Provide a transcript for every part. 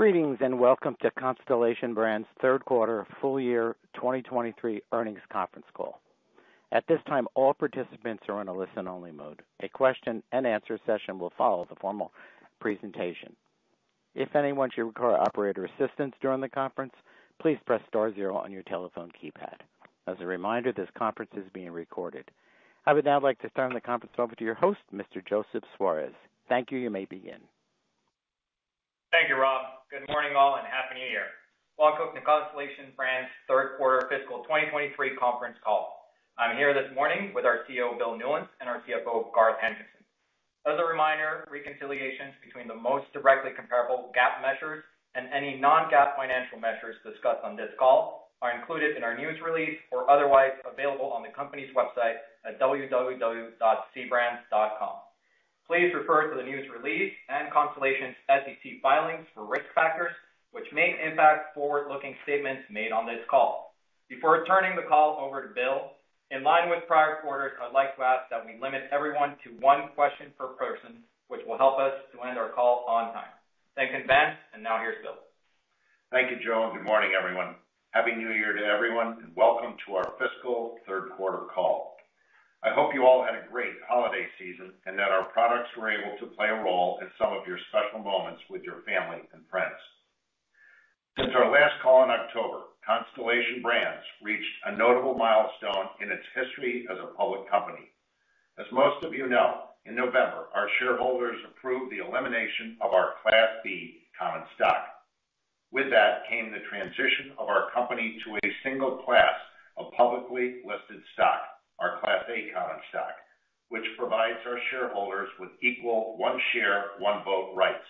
Greetings, welcome to Constellation Brands' third quarter full year 2023 earnings conference call. At this time, all participants are in a listen-only mode. A question-and-answer session will follow the formal presentation. If anyone should require operator assistance during the conference, please press star zero on your telephone keypad. As a reminder, this conference is being recorded. I would now like to turn the conference over to your host, Mr. Joseph Suarez. Thank you. You may begin. Thank you, Rob. Good morning, all, and happy New Year. Welcome to Constellation Brands' third quarter fiscal 2023 conference call. I'm here this morning with our CEO, Bill Newlands, and our CFO, Garth Hankinson. As a reminder, reconciliations between the most directly comparable GAAP measures and any non-GAAP financial measures discussed on this call are included in our news release or otherwise available on the company's website at www.cbrands.com. Please refer to the news release and Constellation's SEC filings for risk factors which may impact forward-looking statements made on this call. Before turning the call over to Bill, in line with prior quarters, I'd like to ask that we limit everyone to one question per person, which will help us to end our call on time. Thanks in advance. Now here's Bill. Thank you, Joe. Good morning, everyone. Happy New Year to everyone. Welcome to our fiscal third quarter call. I hope you all had a great holiday season and that our products were able to play a role in some of your special moments with your family and friends. Since our last call in October, Constellation Brands reached a notable milestone in its history as a public company. As most of you know, in November, our shareholders approved the elimination of our Class B common stock. With that came the transition of our company to a single class of publicly listed stock, our Class A common stock, which provides our shareholders with equal 1 share, 1 vote rights.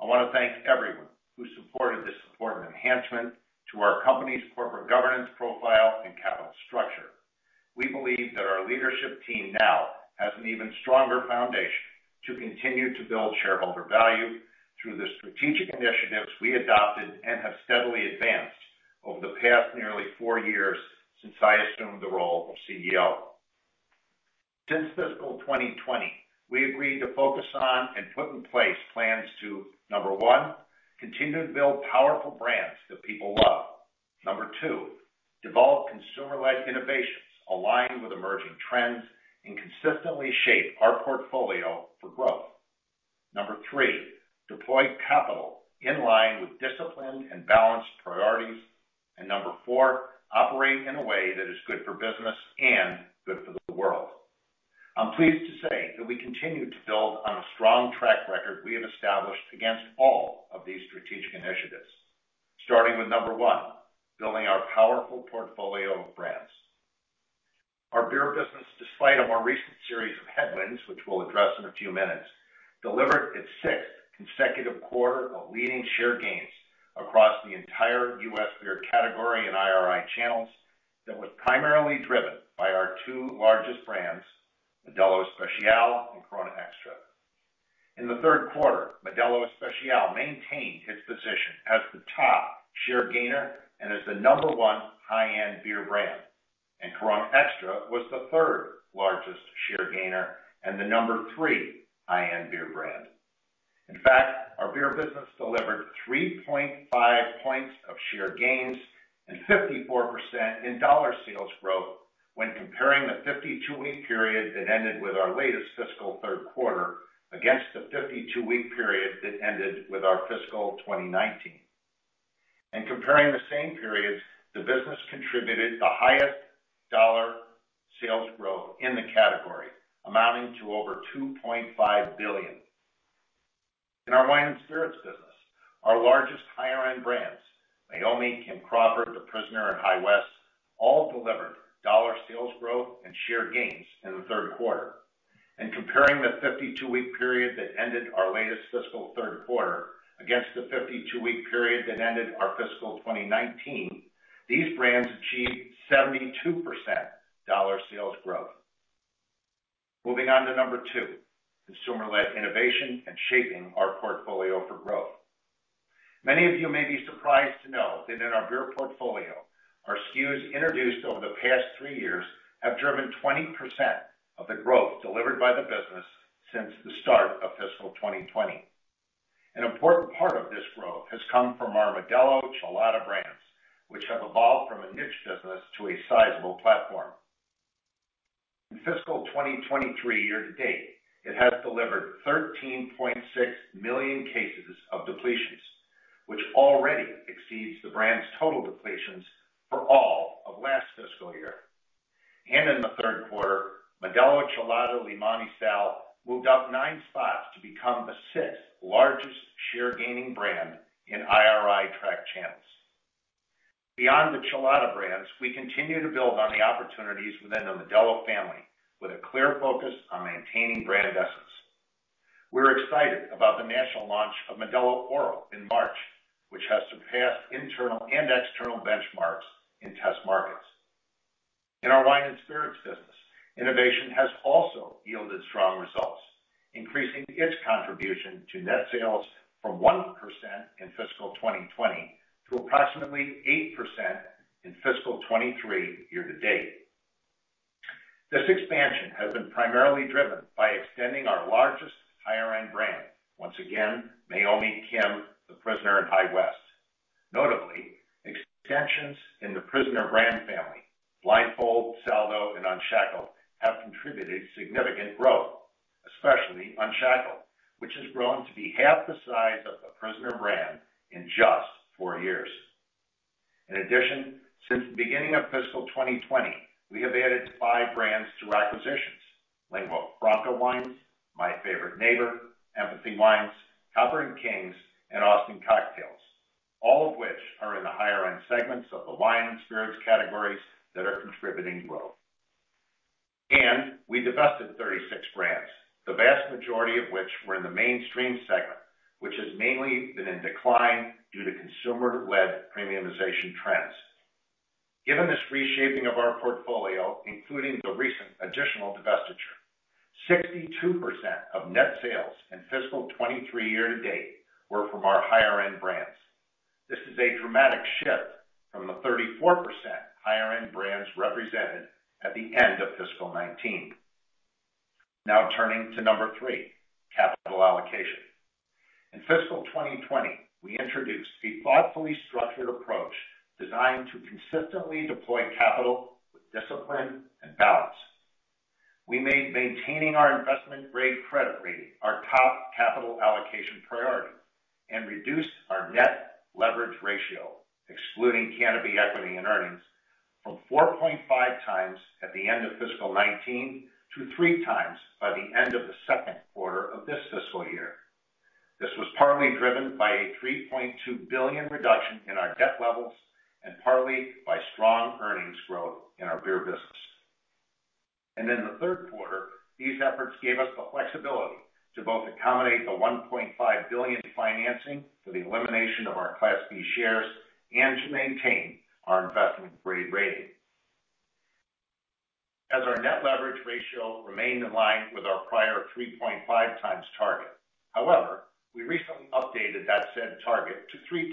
I wanna thank everyone who supported this important enhancement to our company's corporate governance profile and capital structure. We believe that our leadership team now has an even stronger foundation to continue to build shareholder value through the strategic initiatives we adopted and have steadily advanced over the past nearly four years since I assumed the role of CEO. Since fiscal 2020, we agreed to focus on and put in place plans to, number 1, continue to build powerful brands that people love. Number 2, develop consumer-led innovations aligned with emerging trends and consistently shape our portfolio for growth. Number 3, deploy capital in line with disciplined and balanced priorities. Number 4, operate in a way that is good for business and good for the world. I'm pleased to say that we continue to build on a strong track record we have established against all of these strategic initiatives. Starting with number 1, building our powerful portfolio of brands. Our beer business, despite a more recent series of headwinds, which we'll address in a few minutes, delivered its 6th consecutive quarter of leading share gains across the entire U.S. beer category and IRI channels that was primarily driven by our two largest brands, Modelo Especial and Corona Extra. In the third quarter, Modelo Especial maintained its position as the top share gainer and as the number 1 high-end beer brand. Corona Extra was the third-largest share gainer and the number 3 high-end beer brand. In fact, our beer business delivered 3.5 points of share gains and 54% in dollar sales growth when comparing the 52-week period that ended with our latest fiscal third quarter against the 52-week period that ended with our fiscal 2019. Comparing the same periods, the business contributed the highest dollar sales growth in the category, amounting to over $2.5 billion. In our wine and spirits business, our largest higher-end brands, Meiomi, Kim Crawford, The Prisoner, and High West, all delivered dollar sales growth and share gains in the third quarter. Comparing the 52-week period that ended our latest fiscal third quarter against the 52-week period that ended our fiscal 2019, these brands achieved 72% dollar sales growth. Moving on to number 2, consumer-led innovation and shaping our portfolio for growth. Many of you may be surprised to know that in our beer portfolio, our SKUs introduced over the past 3 years have driven 20% of the growth delivered by the business since the start of fiscal 2020. An important part of this growth has come from our Modelo Chelada brands, which have evolved from a niche business to a sizable platform. In fiscal 2023 year to date, it has delivered 13.6 million cases of depletions, which already exceeds the brand's total depletions for all of last fiscal year. In the third quarter, Modelo Chelada Limón y Sal moved up 9 spots to become the 6th largest share gaining brand in IRI track channels. Beyond the Chelada brands, we continue to build on the opportunities within the Modelo family with a clear focus on maintaining brand essence. We're excited about the national launch of Modelo Oro in March, which has surpassed internal and external benchmarks in test markets. In our wine and spirits business, innovation has also yielded strong results, increasing its contribution to net sales from 1% in fiscal 2020 to approximately 8% in fiscal 2023 year to date. This expansion has been primarily driven by extending our largest higher-end brand, once again, Meiomi, Kim Crawford, The Prisoner, and High West. Notably, extensions in The Prisoner brand family, Blindfold, Saldo, and Unshackled, have contributed significant growth, especially Unshackled, which has grown to be half the size of The Prisoner brand in just 4 years. Since the beginning of fiscal 2020, we have added 5 brands through acquisitions, Lingua Franca, My Favorite Neighbor, Empathy Wines, Copper & Kings, and Austin Cocktails, all of which are in the higher-end segments of the wine and spirits categories that are contributing growth. We divested 36 brands, the vast majority of which were in the mainstream segment, which has mainly been in decline due to consumer-led premiumization trends. Given this reshaping of our portfolio, including the recent additional divestiture, 62% of net sales in fiscal 2023 year to date were from our higher-end brands. This is a dramatic shift from the 34% higher-end brands represented at the end of fiscal 2019. Turning to 3, capital allocation. In fiscal 2020, we introduced a thoughtfully structured approach designed to consistently deploy capital with discipline and balance. We made maintaining our investment-grade credit rating our top capital allocation priority and reduced our net leverage ratio, excluding Canopy equity and earnings, from 4.5x at the end of fiscal 2019 to 3x by the end of the second quarter of this fiscal year. This was partly driven by a $3.2 billion reduction in our debt levels and partly by strong earnings growth in our beer business. In the third quarter, these efforts gave us the flexibility to both accommodate the $1.5 billion financing for the elimination of our Class B shares and to maintain our investment-grade rating. As our net leverage ratio remained in line with our prior 3.5x target. We recently updated that said target to 3x,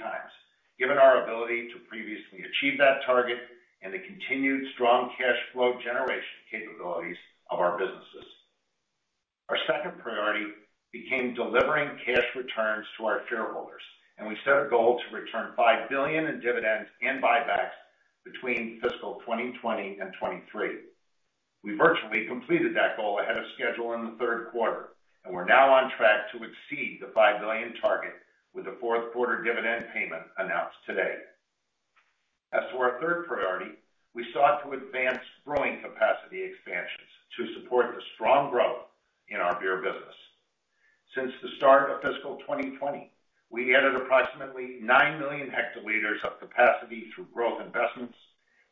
given our ability to previously achieve that target and the continued strong cash flow generation capabilities of our businesses. Our second priority became delivering cash returns to our shareholders, and we set a goal to return $5 billion in dividends and buybacks between fiscal 2020 and 2023. We virtually completed that goal ahead of schedule in the third quarter, and we're now on track to exceed the $5 billion target with the fourth quarter dividend payment announced today. As to our third priority, we sought to advance brewing capacity expansions to support the strong growth in our beer business. Since the start of fiscal 2020, we added approximately 9 million hectoliters of capacity through growth investments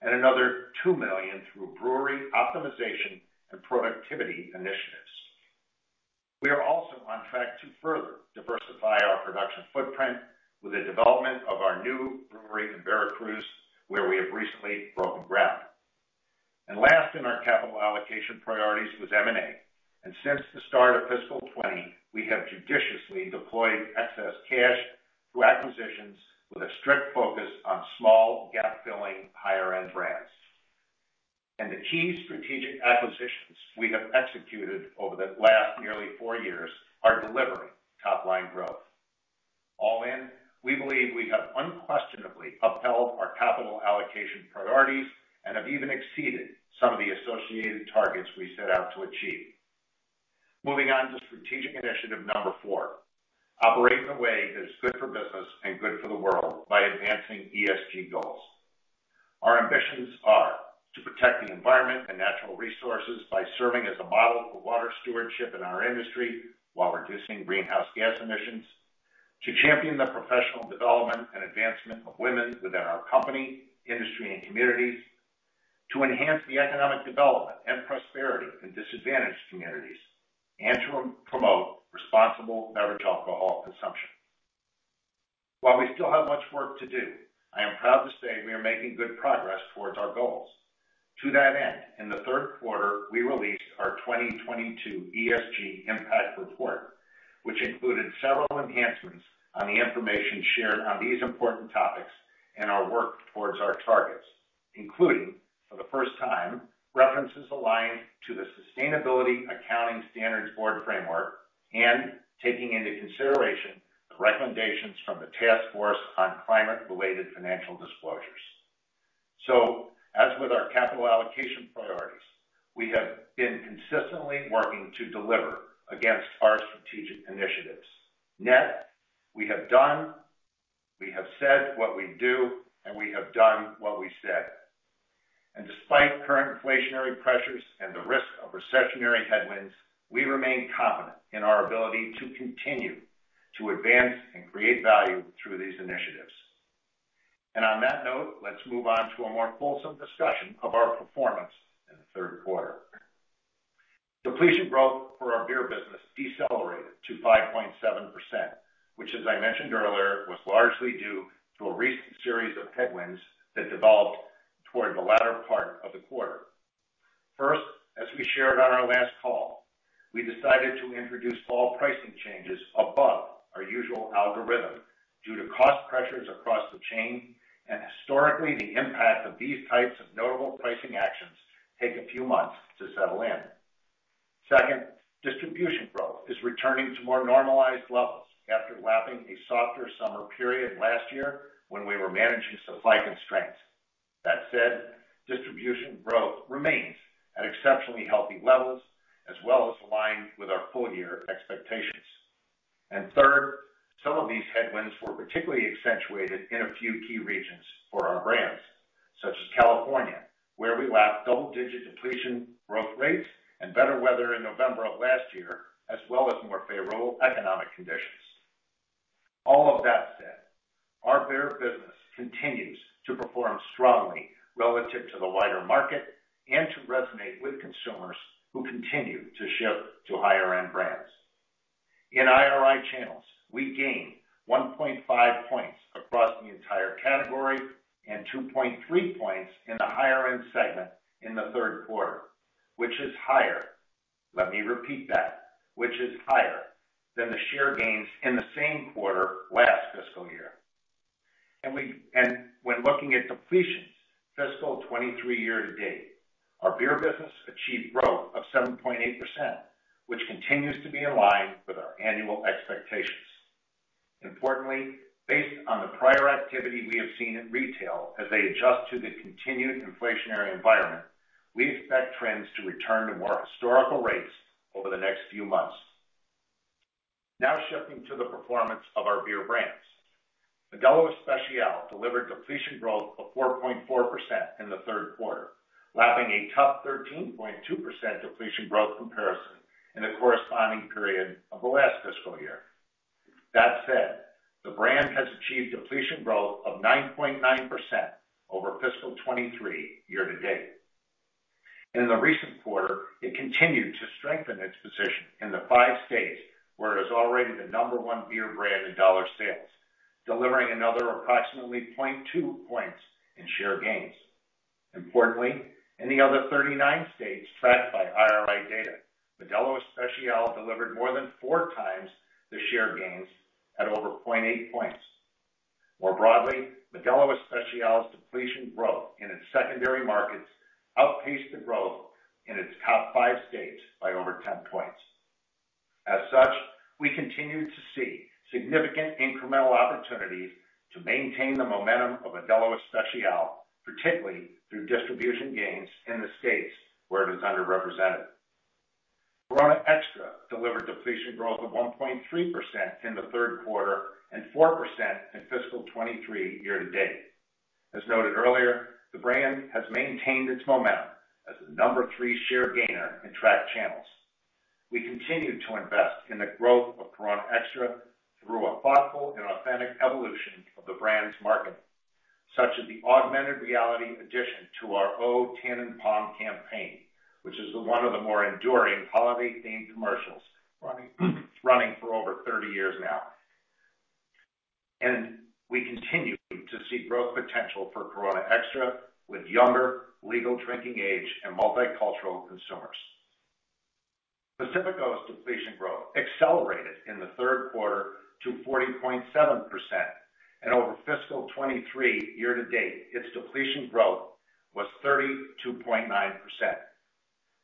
and another 2 million through brewery optimization and productivity initiatives. We are also on track to further diversify our production footprint with the development of our new brewery in Veracruz, where we have recently broken ground. Last in our capital allocation priorities was M&A. Since the start of fiscal 2020, we have judiciously deployed excess cash through acquisitions with a strict focus on small, gap-filling, higher-end brands. The key strategic acquisitions we have executed over the last nearly four years are delivering top-line growth. All in, we believe we have unquestionably upheld our capital allocation priorities and have even exceeded some of the associated targets we set out to achieve. Moving on to strategic initiative number 4, operate in a way that is good for business and good for the world by advancing ESG goals. Our ambitions are to protect the environment and natural resources by serving as a model for water stewardship in our industry while reducing greenhouse gas emissions, to champion the professional development and advancement of women within our company, industry, and communities, to enhance the economic development and prosperity in disadvantaged communities, and to promote responsible beverage alcohol consumption. While we still have much work to do, I am proud to say we are making good progress towards our goals. To that end, in the third quarter, we released our 2022 ESG Impact Report, which included several enhancements on the information shared on these important topics and our work towards our targets, including, for the first time, references aligned to the Sustainability Accounting Standards Board framework and taking into consideration the recommendations from the Task Force on Climate-Related Financial Disclosures. As with our capital allocation priorities, we have been consistently working to deliver against our strategic initiatives. Net, we have done, we have said what we'd do, and we have done what we said. Despite current inflationary pressures and the risk of recessionary headwinds, we remain confident in our ability to continue to advance and create value through these initiatives. On that note, let's move on to a more fulsome discussion of our performance in the third quarter. Depletion growth for our beer business decelerated to 5.7%, which as I mentioned earlier, was largely due to a recent series of headwinds that developed toward the latter part of the quarter. First, as we shared on our last call, we decided to introduce all pricing changes above our usual algorithm due to cost pressures across the chain. Historically, the impact of these types of notable pricing actions take a few months to settle in. Second, distribution growth is returning to more normalized levels after lapping a softer summer period last year when we were managing supply constraints. That said, distribution growth remains at exceptionally healthy levels as well as aligned with our full year expectations. Third, some of these headwinds were particularly accentuated in a few key regions for our brands, such as California, where we lapped double-digit depletion growth rates and better weather in November of last year, as well as more favorable economic conditions. All of that said, our beer business continues to perform strongly relative to the wider market and to resonate with consumers who continue to shift to higher-end brands. In IRI channels, we gained 1.5 points across the entire category and 2.3 points in the higher-end segment in the third quarter, which is higher, let me repeat that, which is higher than the share gains in the same quarter last fiscal year. When looking at depletions fiscal 2023 year to date, our beer business achieved growth of 7.8%, which continues to be in line with our annual expectations. Importantly, based on the prior activity we have seen in retail as they adjust to the continued inflationary environment, we expect trends to return to more historical rates over the next few months. Shifting to the performance of our beer brands. Modelo Especial delivered depletion growth of 4.4% in the third quarter, lapping a tough 13.2% depletion growth comparison in the corresponding period of the last fiscal year. That said, the brand has achieved depletion growth of 9.9% over fiscal 2023 year to date. In the recent quarter, it continued to strengthen its position in the 5 states where it is already the number one beer brand in dollar sales, delivering another approximately 0.2 points in share gains. Importantly, in the other 39 states tracked by IRI data, Modelo Especial delivered more than 4 times the share gains at over 0.8 points. More broadly, Modelo Especial's depletion growth in its secondary markets outpaced the growth in its top 5 states by over 10 points. As such, we continue to see significant incremental opportunities to maintain the momentum of Modelo Especial, particularly through distribution gains in the states where it is underrepresented. Corona Extra delivered depletion growth of 1.3% in the 3rd quarter and 4% in fiscal 2023 year to date. As noted earlier, the brand has maintained its momentum as the number 3 share gainer in tracked channels. We continue to invest in the growth of Corona Extra through a thoughtful and authentic evolution of the brand's marketing, such as the augmented reality addition to our O Tannenpalm campaign, which is the one of the more enduring holiday-themed commercials running for over 30 years now. We continue to see growth potential for Corona Extra with younger, legal drinking age, and multicultural consumers. Pacifico's depletion growth accelerated in the third quarter to 40.7%. Over fiscal 2023 year to date, its depletion growth was 32.9%.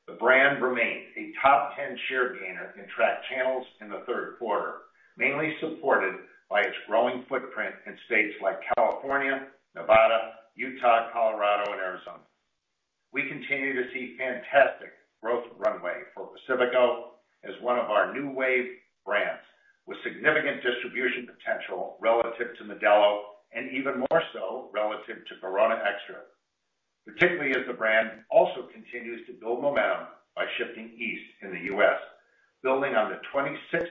The brand remains a top 10 share gainer in tracked channels in the third quarter, mainly supported by its growing footprint in states like California, Nevada, Utah, Colorado, and Arizona. We continue to see fantastic growth runway for Pacifico as one of our new wave brands with significant distribution potential relative to Modelo, and even more so relative to Corona Extra. Particularly as the brand also continues to build momentum by shifting east in the U.S., building on the 26%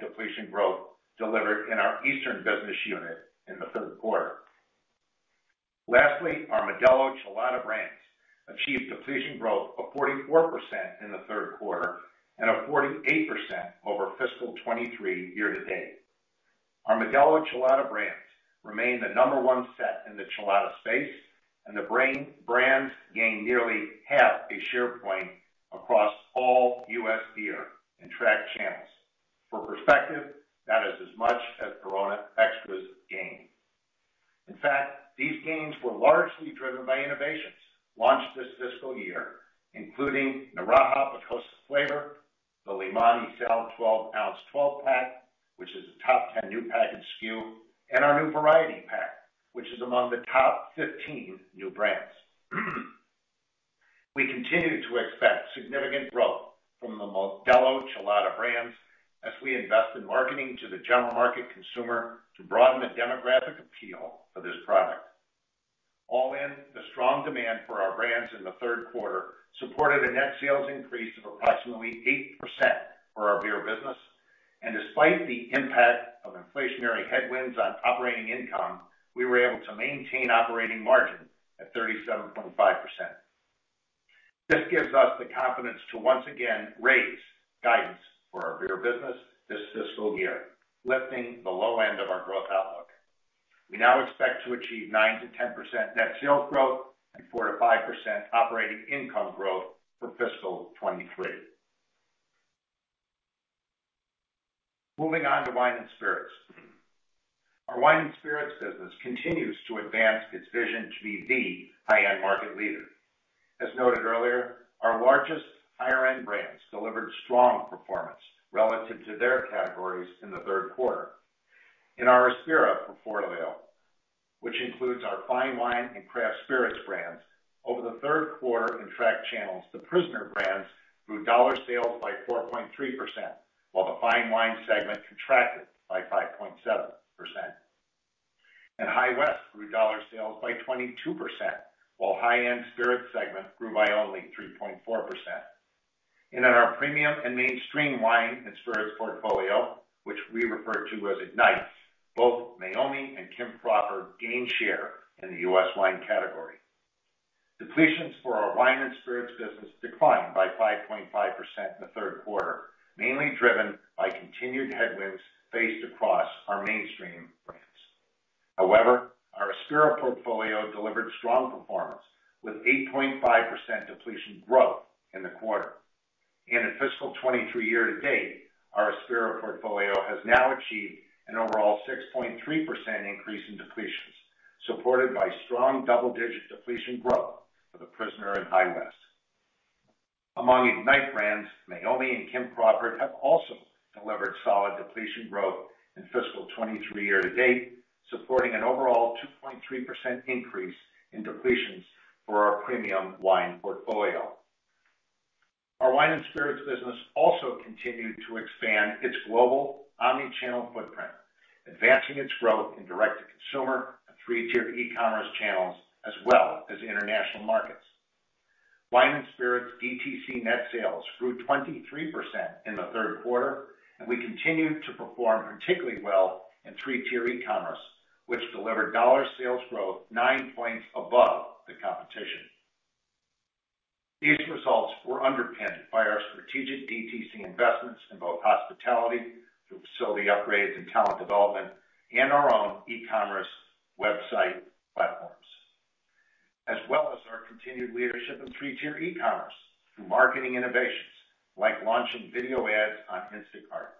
depletion growth delivered in our eastern business unit in the third quarter. Lastly, our Modelo Chelada brands achieved depletion growth of 44% in the third quarter and of 48% over fiscal 2023 year to date. Our Modelo Chelada brands remain the number one set in the Chelada space, and the brands gained nearly half a share point across all U.S. beer in tracked channels. For perspective, that is as much as Corona Extra's gain. In fact, these gains were largely driven by innovations launched this fiscal year, including Negra with hostess flavor, the Limón y Sal 12 ounce 12-pack, which is a top 10 new package SKU, and our new variety pack, which is among the top 15 new brands. We continue to expect significant growth from the Modelo Chelada brands as we invest in marketing to the general market consumer to broaden the demographic appeal for this product. All in, the strong demand for our brands in the third quarter supported a net sales increase of approximately 8% for our beer business. Despite the impact of inflationary headwinds on operating income, we were able to maintain operating margin at 37.5%. This gives us the confidence to once again raise guidance for our beer business this fiscal year, lifting the low end of our growth outlook. We now expect to achieve 9%-10% net sales growth and 4%-5% operating income growth for fiscal 2023. Moving on to wine and spirits. Our wine and spirits business continues to advance its vision to be the high-end market leader. As noted earlier, our largest higher-end brands delivered strong performance relative to their categories in the third quarter. In our Aspira portfolio, which includes our fine wine and craft spirits brands, over the third quarter in track channels, The Prisoner brands grew dollar sales by 4.3%, while the fine wine segment contracted by 5.7%. High West grew dollar sales by 22%, while high-end spirits segment grew by only 3.4%. In our premium and mainstream wine and spirits portfolio, which we refer to as Ignite, both Meiomi and Kim Crawford gained share in the U.S. wine category. Depletions for our wine and spirits business declined by 5.5% in the 3rd quarter, mainly driven by continued headwinds faced across our mainstream brands. However, our Aspira portfolio delivered strong performance with 8.5% depletion growth in the quarter. In fiscal 2023 year to date, our Aspira portfolio has now achieved an overall 6.3% increase in depletions, supported by strong double-digit depletion growth for The Prisoner and High West. Among Ignite brands, Meiomi and Kim Crawford have also delivered solid depletion growth in fiscal 2023 year to date, supporting an overall 2.3% increase in depletions for our premium wine portfolio. Our wine and spirits business also continued to expand its global omni-channel footprint, advancing its growth in direct-to-consumer and three-tier e-commerce channels, as well as international markets. Wine and spirits DTC net sales grew 23% in the third quarter, and we continued to perform particularly well in three-tier E-commerce, which delivered dollar sales growth 9 points above the competition. These results were underpinned by our strategic DTC investments in both hospitality through facility upgrades and talent development, and our own E-commerce website platforms. As well as our continued leadership in three-tier e-commerce through marketing innovations like launching video ads on Instacart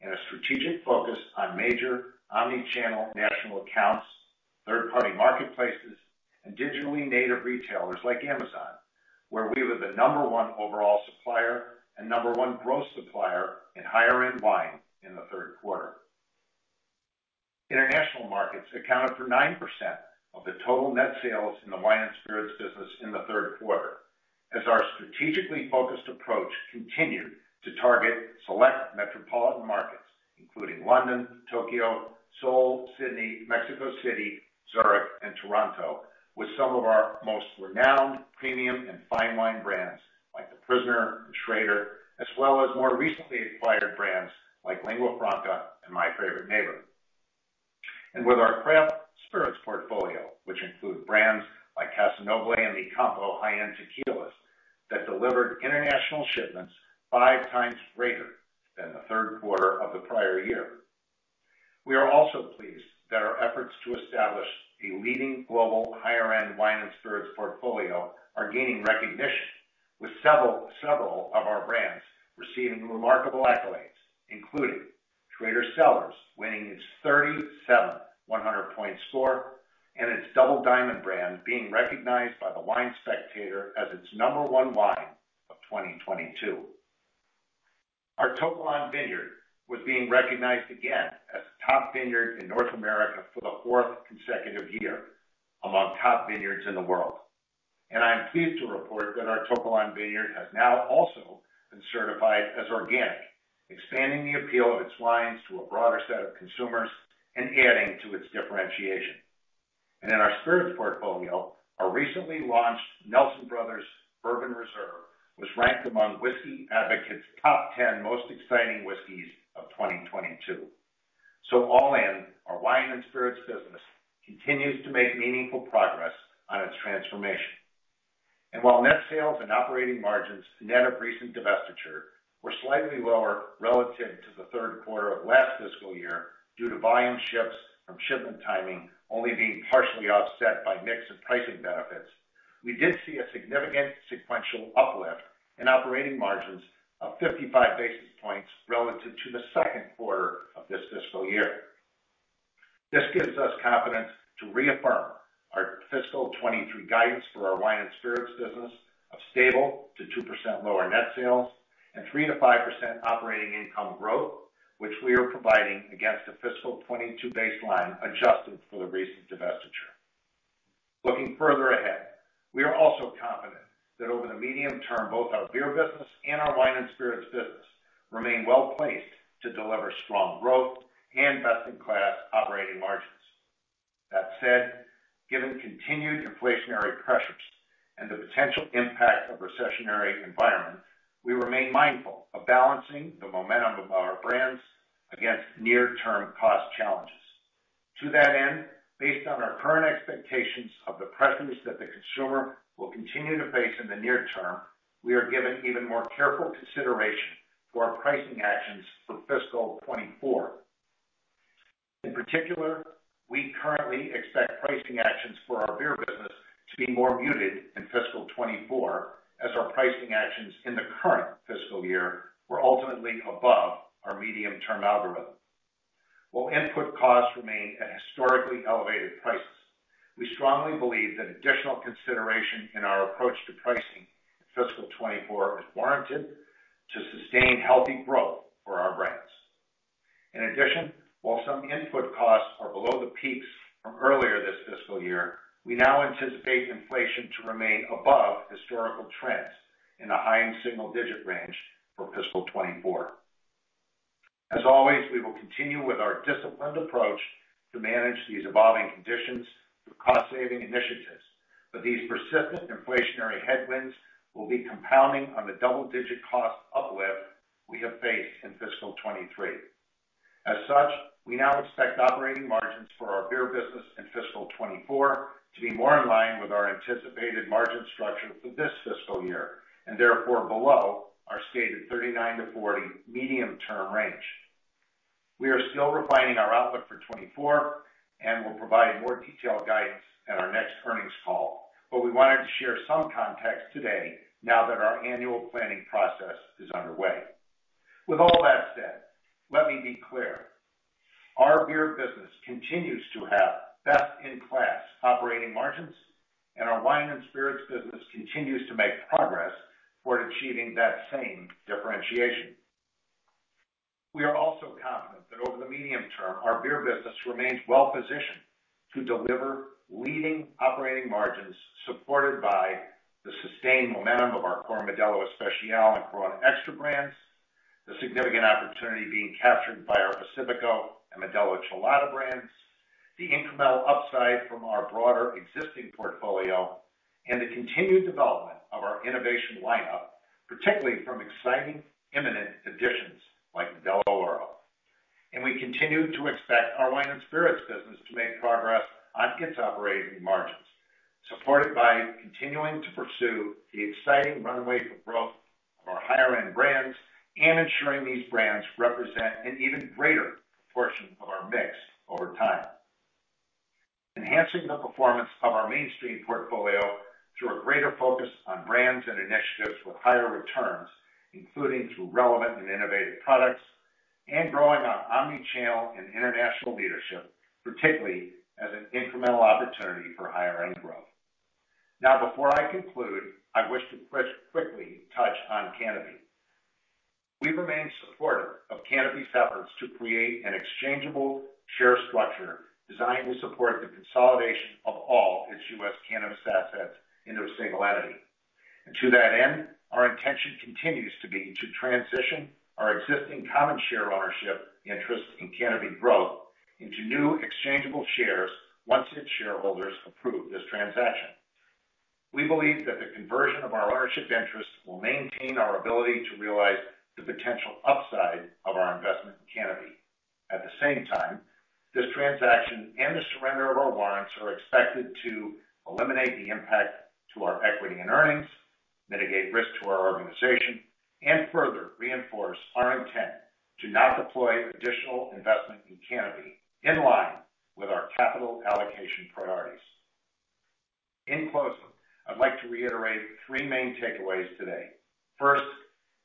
and a strategic focus on major omni-channel national accounts, third-party marketplaces, and digitally native retailers like Amazon, where we were the number 1 overall supplier and number 1 growth supplier in higher-end wine in the third quarter. International markets accounted for 9% of the total net sales in the wine and spirits business in the third quarter as our strategically focused approach continued to target select metropolitan markets, including London, Tokyo, Seoul, Sydney, Mexico City, Zurich, and Toronto, with some of our most renowned premium and fine wine brands like The Prisoner and Schrader, as well as more recently acquired brands like Lingua Franca and My Favorite Neighbor. With our craft spirits portfolio, which include brands like Casa Noble and MiCampo high-end tequilas that delivered international shipments 5 times greater than the third quarter of the prior year. We are also pleased that our efforts to establish a leading global higher-end wine and spirits portfolio are gaining recognition, with several of our brands receiving remarkable accolades, including Schrader Cellars winning its 37th 100-point score, and its Double Diamond brand being recognized by the Wine Spectator as its number one wine of 2022. Our To Kalon Vineyard was being recognized again as the top vineyard in North America for the fourth consecutive year among top vineyards in the world. I'm pleased to report that our To Kalon Vineyard has now also been certified as organic, expanding the appeal of its wines to a broader set of consumers and adding to its differentiation. In our spirits portfolio, our recently launched Nelson Brothers Bourbon Reserve was ranked among Whiskey Advocate's top 10 most exciting whiskeys of 2022. All in, our wine and spirits business continues to make meaningful progress on its transformation. While net sales and operating margins net of recent divestiture were slightly lower relative to the third quarter of last fiscal year due to volume shifts from shipment timing only being partially offset by mix and pricing benefits, we did see a significant sequential uplift in operating margins of 55 basis points relative to the second quarter of this fiscal year. This gives us confidence to reaffirm our fiscal 23 guidance for our wine and spirits business of stable to 2% lower net sales and 3%-5% operating income growth, which we are providing against the fiscal 22 baseline adjusted for the recent divestiture. Looking further ahead, we are also confident that over the medium term, both our beer business and our wine and spirits business remain well-placed to deliver strong growth and best-in-class operating margins. That said, given continued inflationary pressures and the potential impact of recessionary environment, we remain mindful of balancing the momentum of our brands against near-term cost challenges. To that end, based on our current expectations of the pressures that the consumer will continue to face in the near term, we are giving even more careful consideration to our pricing actions for fiscal 2024. In particular, we currently expect pricing actions for our beer business to be more muted in fiscal 2024 as our pricing actions in the current fiscal year were ultimately above our medium-term algorithm. While input costs remain at historically elevated prices, we strongly believe that additional consideration in our approach to pricing in fiscal 2024 is warranted to sustain healthy growth for our brands. In addition, while some input costs are below the peaks from earlier this fiscal year, we now anticipate inflation to remain above historical trends in the high single-digit range for fiscal 2024. As always, we will continue with our disciplined approach to manage these evolving conditions through cost saving initiatives, but these persistent inflationary headwinds will be compounding on the double-digit cost uplift we have faced in fiscal 2023. As such, we now expect operating margins for our beer business in fiscal 2024 to be more in line with our anticipated margin structure for this fiscal year, and therefore below our stated 39%-40% medium-term range. We are still refining our outlook for 2024, and we'll provide more detailed guidance at our next earnings call. We wanted to share some context today now that our annual planning process is underway. With all that said, let me be clear, our beer business continues to have best-in-class operating margins, and our wine and spirits business continues to make progress toward achieving that same differentiation. We are also confident that over the medium term, our beer business remains well-positioned to deliver leading operating margins, supported by the sustained momentum of our core Modelo Especial and Corona Extra brands, the significant opportunity being captured by our Pacifico and Modelo Chelada brands, the incremental upside from our broader existing portfolio, and the continued development of our innovation lineup, particularly from exciting imminent additions like Modelo Oro. We continue to expect our wine and spirits business to make progress on its operating margins, supported by continuing to pursue the exciting runway for growth of our higher end brands and ensuring these brands represent an even greater portion of our mix over time. Enhancing the performance of our mainstream portfolio through a greater focus on brands and initiatives with higher returns, including through relevant and innovative products, and growing our omni-channel and international leadership, particularly as an incremental opportunity for higher end growth. Now, before I conclude, I wish to quickly touch on Canopy. We remain supportive of Canopy's efforts to create an exchangeable share structure designed to support the consolidation of all its U.S. cannabis assets into a single entity. To that end, our intention continues to be to transition our existing common share ownership interest in Canopy Growth into new exchangeable shares once its shareholders approve this transaction. We believe that the conversion of our ownership interest will maintain our ability to realize the potential upside of our investment in Canopy. At the same time, this transaction and the surrender of our warrants are expected to eliminate the impact to our equity and earnings, mitigate risk to our organization, and further reinforce our intent to not deploy additional investment in Canopy in line with our capital allocation priorities. In closing, I'd like to reiterate three main takeaways today. First,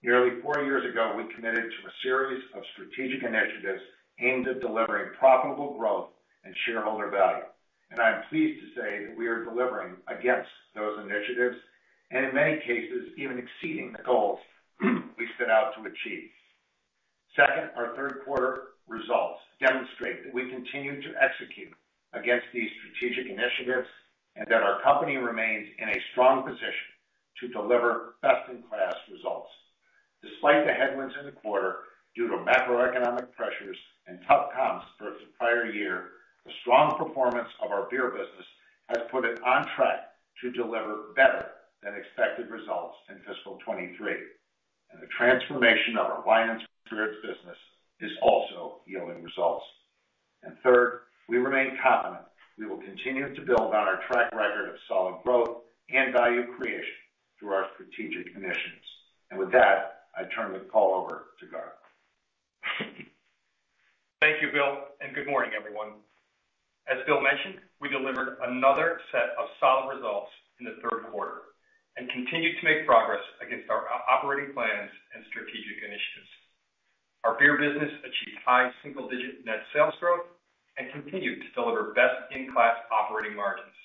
nearly four years ago, we committed to a series of strategic initiatives aimed at delivering profitable growth and shareholder value. I'm pleased to say that we are delivering against those initiatives, and in many cases, even exceeding the goals we set out to achieve. Second, our third quarter results demonstrate that we continue to execute against these strategic initiatives, and that our company remains in a strong position to deliver best in class results. Despite the headwinds in the quarter due to macroeconomic pressures and tough comps versus prior year, the strong performance of our beer business has put it on track to deliver better than expected results in fiscal 2023, and the transformation of our wine and spirits business is also yielding results. Third, we remain confident we will continue to build on our track record of solid growth and value creation through our strategic initiatives. With that, I turn the call over to Garth. Thank you, Bill. Good morning, everyone. As Bill mentioned, we delivered another set of solid results in the third quarter and continued to make progress against our operating plans and strategic initiatives. Our beer business achieved high single digit net sales growth and continued to deliver best in class operating margins.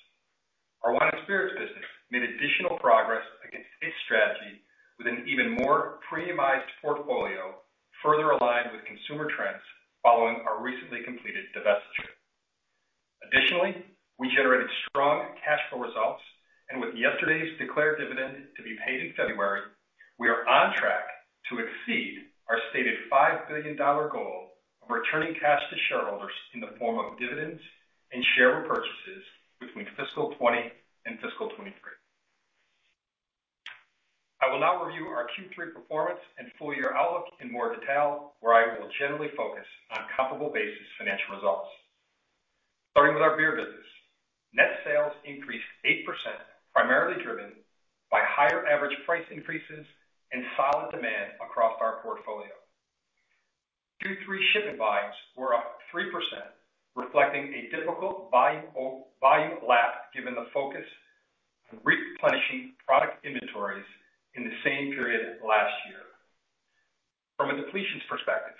Our wine and spirits business made additional progress against its strategy with an even more premiumized portfolio, further aligned with consumer trends following our recently completed divestiture. We generated strong cash flow results. With yesterday's declared dividend to be paid in February, we are on track to exceed our stated $5 billion goal of returning cash to shareholders in the form of dividends and share repurchases between fiscal 2020 and fiscal 2023. I will now review our Q3 performance and full year outlook in more detail, where I will generally focus on comparable basis financial results. Starting with our beer business. Increased 8%, primarily driven by higher average price increases and solid demand across our portfolio. Q3 shipment volumes were up 3%, reflecting a difficult buying volume lap given the focus of replenishing product inventories in the same period last year. From a depletions perspective,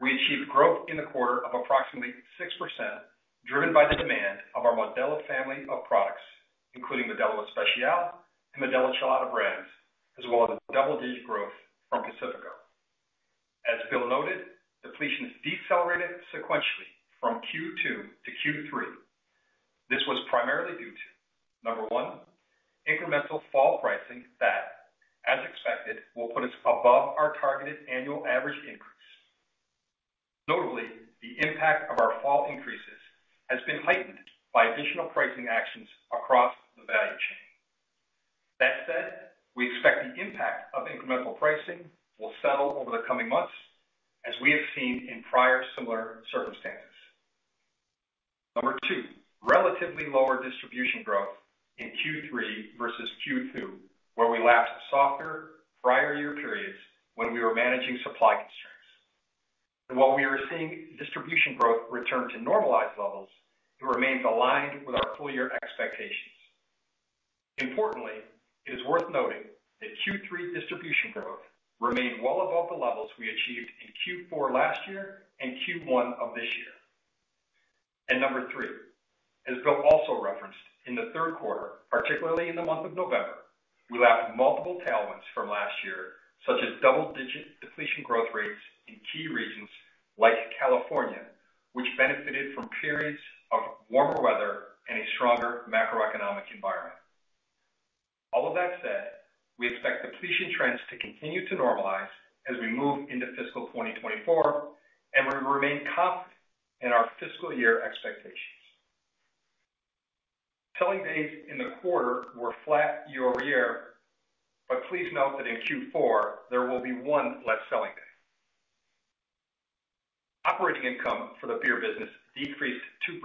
we achieved growth in the quarter of approximately 6%, driven by the demand of our Modelo family of products, including Modelo Especial and the Modelo Chelada brands, as well as the double-digit growth from Pacifico. As Bill noted, depletions decelerated sequentially from Q2-Q3. This was primarily due to, number one, incremental fall pricing that, as expected, will put us above our targeted annual average increase. Notably, the impact of our fall increases has been heightened by additional pricing actions across the value chain. We expect the impact of incremental pricing will settle over the coming months as we have seen in prior similar circumstances. Number 2. Relatively lower distribution growth in Q3 versus Q2, where we lapped softer prior year periods when we were managing supply constraints. While we are seeing distribution growth return to normalized levels, it remains aligned with our full-year expectations. Importantly, it is worth noting that Q3 distribution growth remained well above the levels we achieved in Q4 last year and Q1 of this year. Number three, as Bill also referenced, in the third quarter, particularly in the month of November, we lapped multiple tailwinds from last year, such as double-digit depletion growth rates in key regions like California, which benefited from periods of warmer weather and a stronger macroeconomic environment. All of that said, we expect depletion trends to continue to normalize as we move into fiscal 2024, and we remain confident in our fiscal year expectations. Selling days in the quarter were flat year-over-year, please note that in Q4 there will be one less selling day. Operating income for the beer business decreased 2%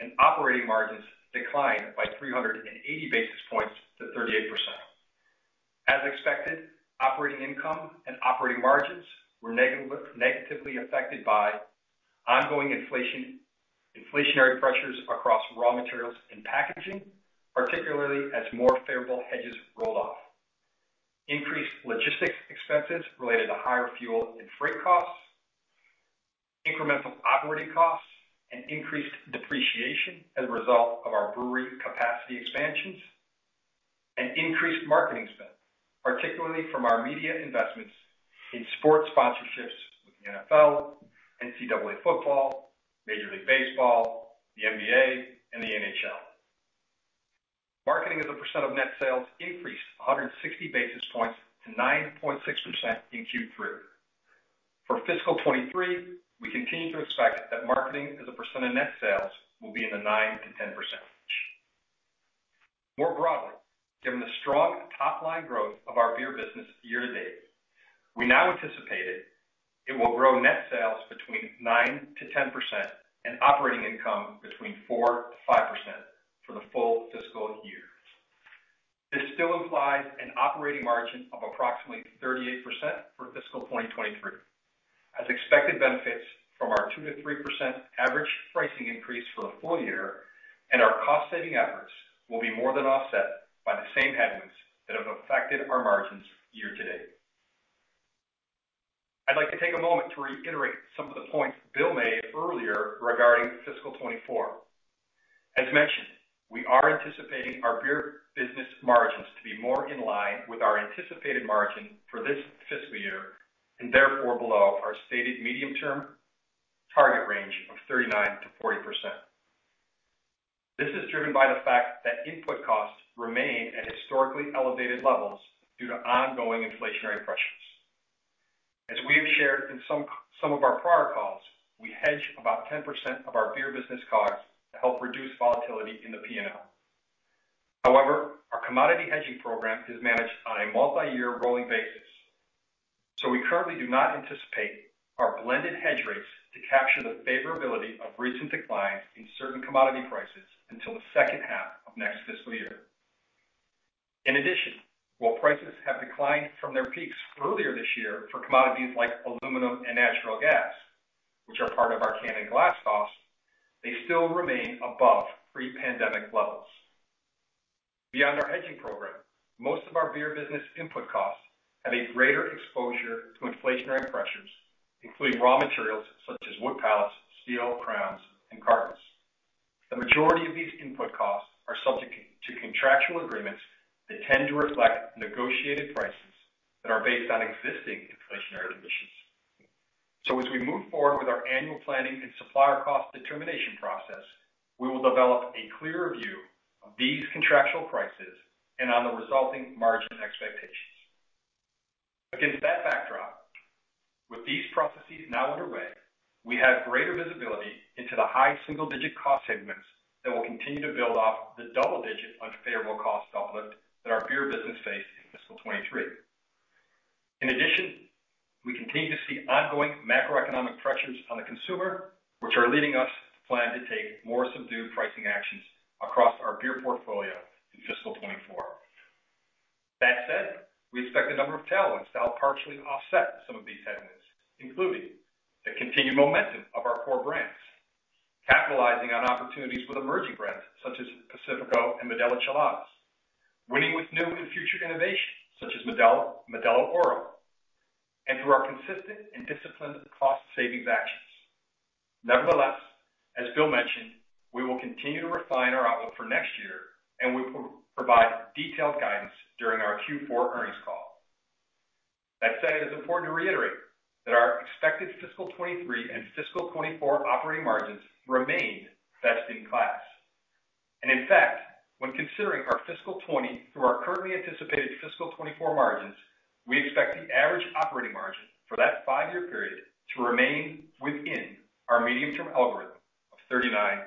and operating margins declined by 380 basis points to 38%. As expected, operating income and operating margins were negatively affected by ongoing inflationary pressures across raw materials and packaging, particularly as more favorable hedges rolled off. Increased logistics expenses related to higher fuel and freight costs, incremental operating costs, and increased depreciation as a result of our brewery capacity expansions and increased marketing spend, particularly from our media investments in sports sponsorships with the NFL, NCAA Football, Major League Baseball, the NBA, and the NHL. Marketing as a percent of net sales increased 160 basis points to 9.6% in Q3. For fiscal 2023, we continue to expect that marketing as a percent of net sales will be in the 9%-10% range. More broadly, given the strong top-line growth of our beer business year-to-date, we now anticipated it will grow net sales between 9%-10% and operating income between 4%-5% for the full fiscal year. This still implies an operating margin of approximately 38% for fiscal 2023. As expected benefits from our 2%-3% average pricing increase for the full year and our cost-saving efforts will be more than offset by the same headwinds that have affected our margins year-to-date. I'd like to take a moment to reiterate some of the points Bill made earlier regarding fiscal 2024. As mentioned, we are anticipating our beer business margins to be more in line with our anticipated margin for this fiscal year, and therefore below our stated medium-term target range of 39%-40%. This is driven by the fact that input costs remain at historically elevated levels due to ongoing inflationary pressures. As we have shared in some of our prior calls, we hedge about 10% of our beer business costs to help reduce volatility in the P&L. Our commodity hedging program is managed on a multi-year rolling basis. We currently do not anticipate our blended hedge rates to capture the favorability of recent declines in certain commodity prices until the second half of next fiscal year. In addition, while prices have declined from their peaks earlier this year for commodities like aluminum and natural gas, which are part of our can and glass costs, they still remain above pre-pandemic levels. Beyond our hedging program, most of our beer business input costs have a greater exposure to inflationary pressures, including raw materials such as wood pallets, steel, crowns, and cartons. The majority of these input costs are subject to contractual agreements that tend to reflect negotiated prices that are based on existing inflationary conditions. As we move forward with our annual planning and supplier cost determination process, we will develop a clearer view of these contractual prices and on the resulting margin expectations. Against that backdrop, with these processes now underway, we have greater visibility into the high single-digit cost headwinds that will continue to build off the double-digit unfavorable cost uplift that our beer business faced in fiscal 2023. We continue to see ongoing macroeconomic pressures on the consumer, which are leading us to plan to take more subdued pricing actions across our beer portfolio in fiscal 2024. That said, we expect a number of tailwinds to help partially offset some of these headwinds, including the continued momentum of our core brands, capitalizing on opportunities with emerging brands such as Pacifico and Modelo Cheladas, winning with new and future innovations such as Modelo Oro, and through our consistent and disciplined cost-savings actions. As Bill mentioned, we will continue to refine our outlook for next year, and we will provide detailed guidance during our Q4 earnings call. That said, it is important to reiterate that our expected fiscal 2023 and fiscal 2024 operating margins remain best in class. In fact, when considering our fiscal 2020 through our currently anticipated fiscal 2024 margins, we expect the average operating margin for that 5-year period to remain within our medium-term algorithm of 39%-40%.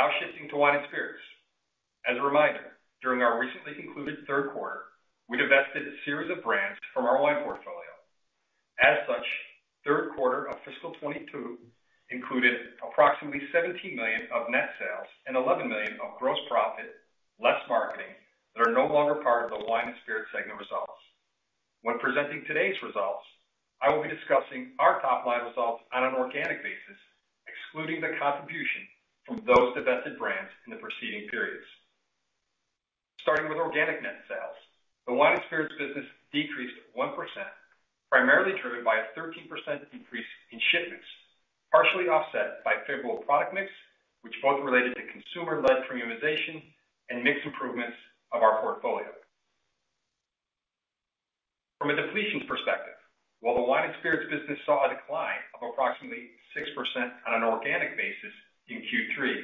Now shifting to wine and spirits. As a reminder, during our recently concluded third quarter, we divested a series of brands from our wine portfolio. As such, third quarter of fiscal 2022 included approximately $17 million of net sales and $11 million of gross profit, less marketing, that are no longer part of the wine and spirits segment results. When presenting today's results, I will be discussing our top-line results on an organic basis, excluding the contribution from those divested brands in the preceding periods. Starting with organic net sales, the wine and spirits business decreased 1%, primarily driven by a 13% increase in shipments, partially offset by favorable product mix, which both related to consumer-led premiumization and mix improvements of our portfolio. From a depletion perspective, while the wine and spirits business saw a decline of approximately 6% on an organic basis in Q3,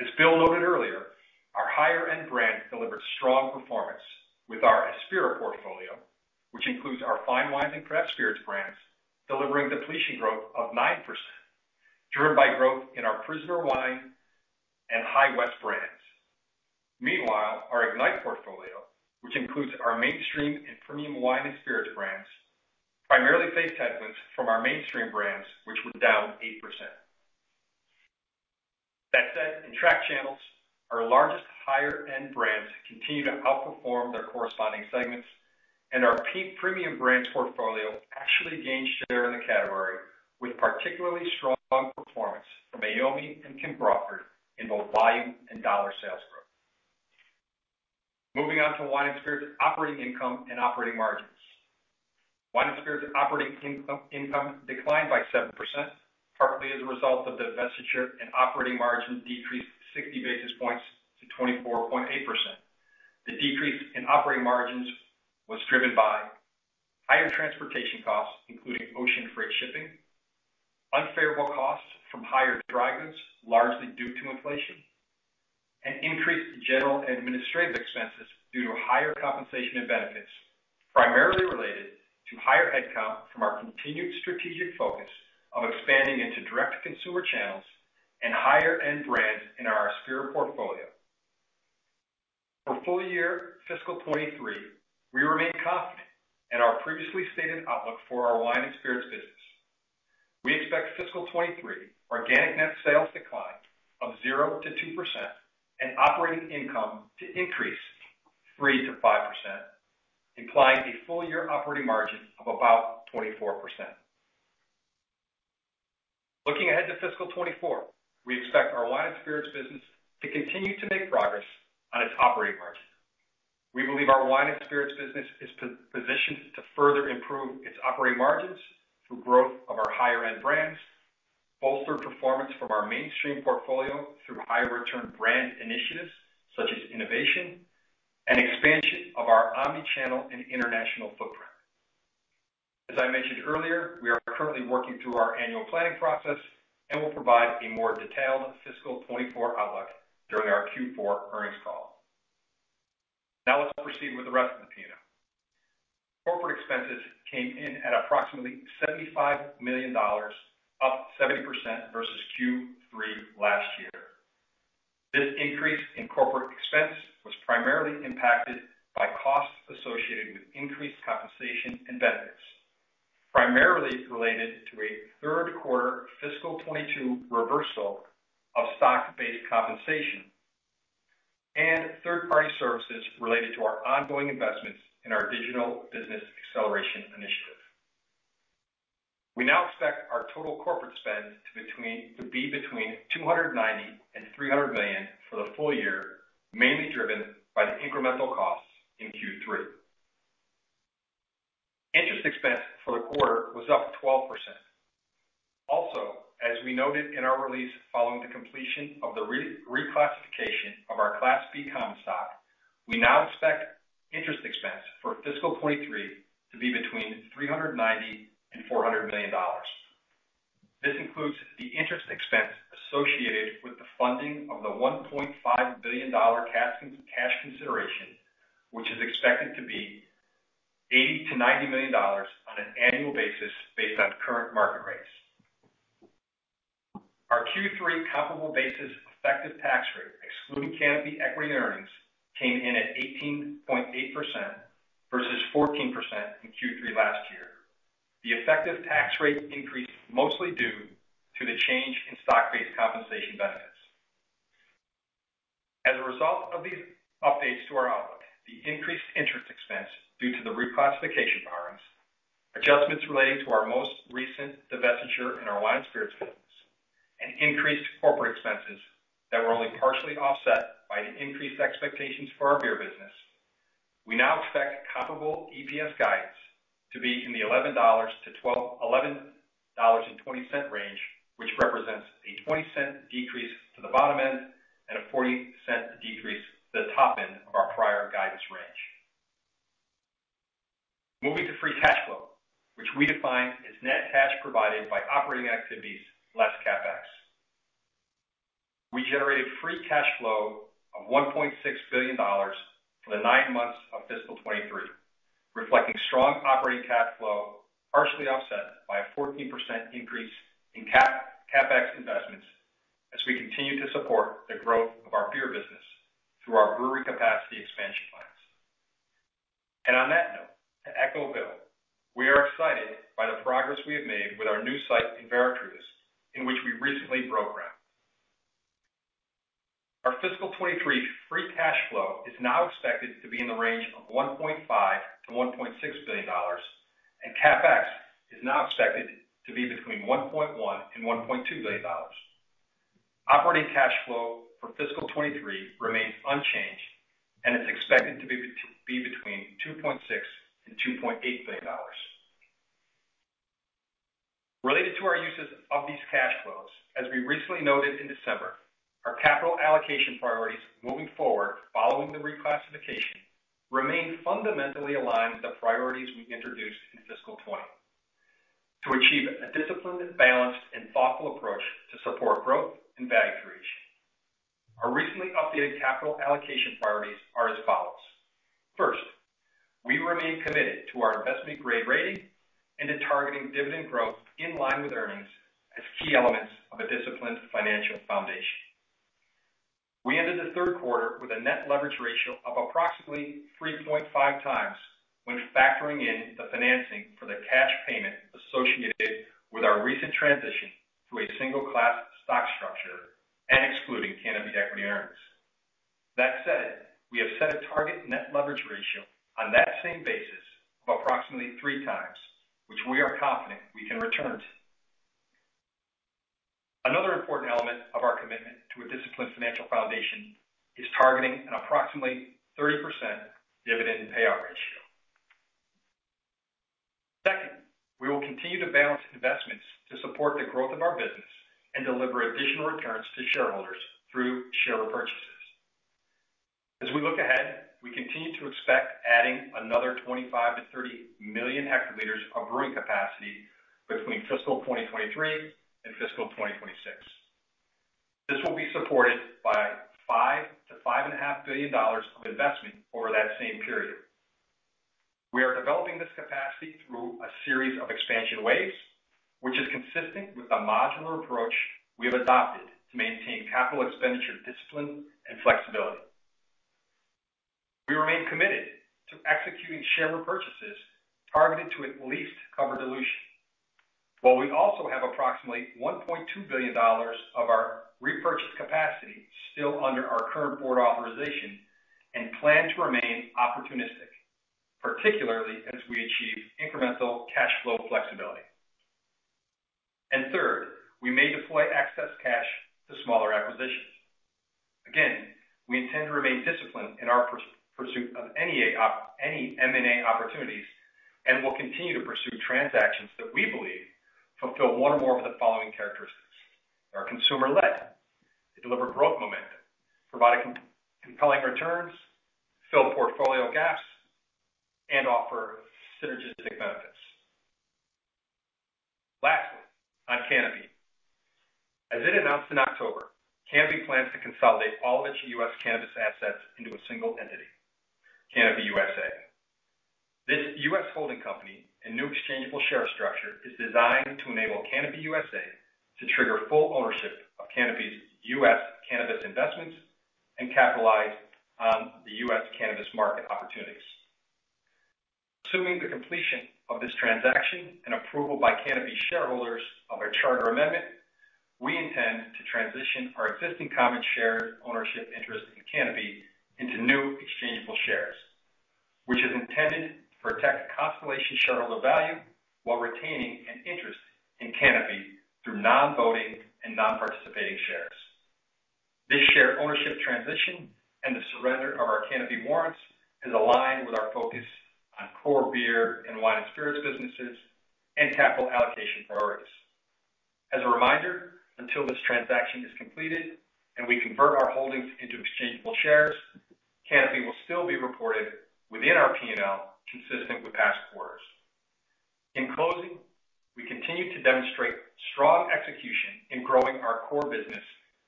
as Bill noted earlier, our higher-end brands delivered strong performance with our Aspira portfolio, which includes our fine wines and craft spirits brands, delivering depletion growth of 9%, driven by growth in our The Prisoner wine and High West brands. Meanwhile, our Ignite portfolio, which includes our mainstream and premium wine and spirits brands, primarily faced headwinds from our mainstream brands, which were down 8%. In track channels, our largest higher-end brands continue to outperform their corresponding segments, and our premium brands portfolio actually gained share in the category with particularly strong performance from Meiomi and Kim Crawford in both volume and dollar sales growth. Moving on to wine and spirits operating income and operating margins. Wine and spirits operating income declined by 7%, partly as a result of the divestiture, and operating margin decreased 60 basis points to 24.8%. The decrease in operating margins was driven by higher transportation costs, including ocean freight shipping, unfavorable costs from higher dry goods, largely due to inflation, and increased general administrative expenses due to higher compensation and benefits, primarily related to higher headcount from our continued strategic focus of expanding into direct-to-consumer channels and higher-end brands in our Aspira portfolio. For full year fiscal 2023, we remain confident in our previously stated outlook for our wine and spirits business. We expect fiscal 2023 organic net sales decline of 0%-2% and operating income to increase 3%-5%, implying a full-year operating margin of about 24%. Looking ahead to fiscal 2024, we expect our wine and spirits business to continue to make progress on its operating margin. We believe our wine and spirits business is positioned to further improve its operating margins through growth of our higher-end brands, bolster performance from our mainstream portfolio through higher return brand initiatives, such as innovation and expansion of our omni-channel and international footprint. As I mentioned earlier, we are currently working through our annual planning process and will provide a more detailed fiscal 2024 outlook during our Q4 earnings call. Let's proceed with the rest of the P&L. Corporate expenses came in at approximately $75 million, up 70% versus Q3 last year. This increase in corporate expense was primarily impacted by costs associated with increased compensation and benefits, primarily related to a third quarter fiscal 2022 reversal of stock-based compensation and third-party services related to our ongoing investments in our digital business acceleration initiative. We now expect our total corporate spend to be between $290 million and $300 million for the full year, mainly driven by the incremental costs in Q3. Interest expense for the quarter was up 12%. As we noted in our release following the completion of the reclassification of our Class B common stock, we now expect interest expense for fiscal 2023 to be between $390 million and $400 million. This includes the interest expense associated with the funding of the $1.5 billion cash consideration, which is expected to be $80 million-$90 million on an annual basis based on current market rates. Q3 comparable basis effective tax rate, excluding Canopy equity earnings, came in at 18.8% versus 14% in Q3 last year. The effective tax rate increased mostly due to the change in stock-based compensation benefits. As a result of these updates to our outlook, the increased interest expense due to the reclassification borrowings, adjustments relating to our most recent divestiture in our wine spirits business, and increased corporate expenses that were only partially offset by the increased expectations for our beer business. We now expect comparable EPS guidance to be in the $11-$11.20 range, which represents a $0.20 decrease to the bottom end and a $0.40 decrease to the top end of our prior guidance range. Moving to free cash flow, which we define as net cash provided by operating activities, less CapEx. We generated free cash flow of $1.6 billion for the 9 months of fiscal 2023, reflecting strong operating cash flow, partially offset by a 14% increase in CapEx investments as we continue to support the growth of our beer business through our brewery capacity expansion plans. On that note, to echo Bill, we are excited by the progress we have made with our new site in Veracruz, in which we recently broke ground. Our fiscal 23 free cash flow is now expected to be in the range of $1.5 billion-$1.6 billion. CapEx is now expected to be between $1.1 billion and $1.2 billion. Operating cash flow for fiscal 23 remains unchanged and is expected to be between $2.6 billion and $2.8 billion. Related to our uses of these cash flows, as we recently noted in December, our capital allocation priorities moving forward following the reclassification remain fundamentally aligned with the priorities we introduced in fiscal 20. To achieve a disciplined, balanced, and thoughtful approach to support growth and value creation. Our recently updated capital allocation priorities are as follows. First, we remain committed to our investment-grade rating and to targeting dividend growth in line with earnings as key elements of a disciplined financial foundation. We ended the third quarter with a net leverage ratio of approximately 3.5 times when factoring in the financing for the cash payment associated with our recent transition to a single class stock structure and excluding Canopy equity earnings. That said, we have set a target net leverage ratio on that same basis of approximately 3 times, which we are confident we can return to. Another important element of our commitment to a disciplined financial foundation is targeting an approximately 30% dividend payout ratio. Second, we will continue to balance investments to support the growth of our business and deliver additional returns to shareholders through share repurchases. As we look ahead, we continue to expect adding another 25 million-30 million hectoliters of brewing capacity between fiscal 2023 and fiscal 2026. This will be supported by $5 billion-$5.5 billion of investment over that same period. We are developing this capacity through a series of expansion waves, which is consistent with the modular approach we have adopted to maintain capital expenditure discipline and flexibility. We remain committed to executing share repurchases targeted to at least cover dilution, while we also have approximately $1.2 billion of our repurchase capacity still under our current board authorization and plan to remain opportunistic, particularly as we achieve incremental cash flow flexibility. Third, we may deploy excess cash to smaller acquisitions. Again, we intend to remain disciplined in our pursuit of any M&A opportunities, and will continue to pursue transactions that we believe fulfill one or more of the following characteristics. They are consumer-led. They deliver growth momentum, provide compelling returns, fill portfolio gaps, and offer synergistic benefits. Lastly, on Canopy. As it announced in October, Canopy plans to consolidate all of its U.S. cannabis assets into a single entity, Canopy U.S.A. This U.S. holding company and new exchangeable share structure is designed to enable Canopy U.S.A. to trigger full ownership of Canopy's U.S. cannabis investments and capitalize on the U.S. cannabis market opportunities. Assuming the completion of this transaction and approval by Canopy shareholders of our charter amendment, we intend to transition our existing common share ownership interest in Canopy into new exchangeable shares, which is intended to protect Constellation shareholder value while retaining an interest in Canopy through non-voting and non-participating shares. This share ownership transition and the surrender of our Canopy warrants is aligned with our focus on core beer and wine and spirits businesses and capital allocation priorities. As a reminder, until this transaction is completed and we convert our holdings into exchangeable shares, Canopy will still be reported within our P&L, consistent with past quarters. In closing, we continue to demonstrate strong execution in growing our core business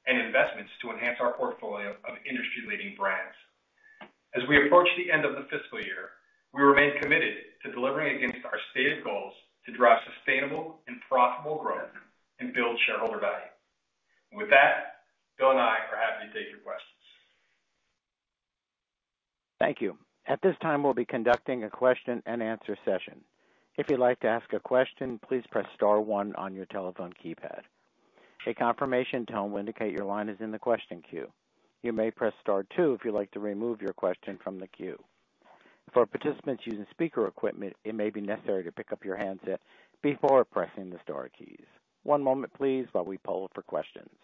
and investments to enhance our portfolio of industry-leading brands. As we approach the end of the fiscal year, we remain committed to delivering against our stated goals to drive sustainable and profitable growth and build shareholder value. With that, Bill and I are happy to take your questions. Thank you. At this time, we'll be conducting a question-and-answer session. If you'd like to ask a question, please press star 1 on your telephone keypad. A confirmation tone will indicate your line is in the question queue. You may press star 2 if you'd like to remove your question from the queue. For participants using speaker equipment, it may be necessary to pick up your handset before pressing the star keys. One moment please while we poll for questions.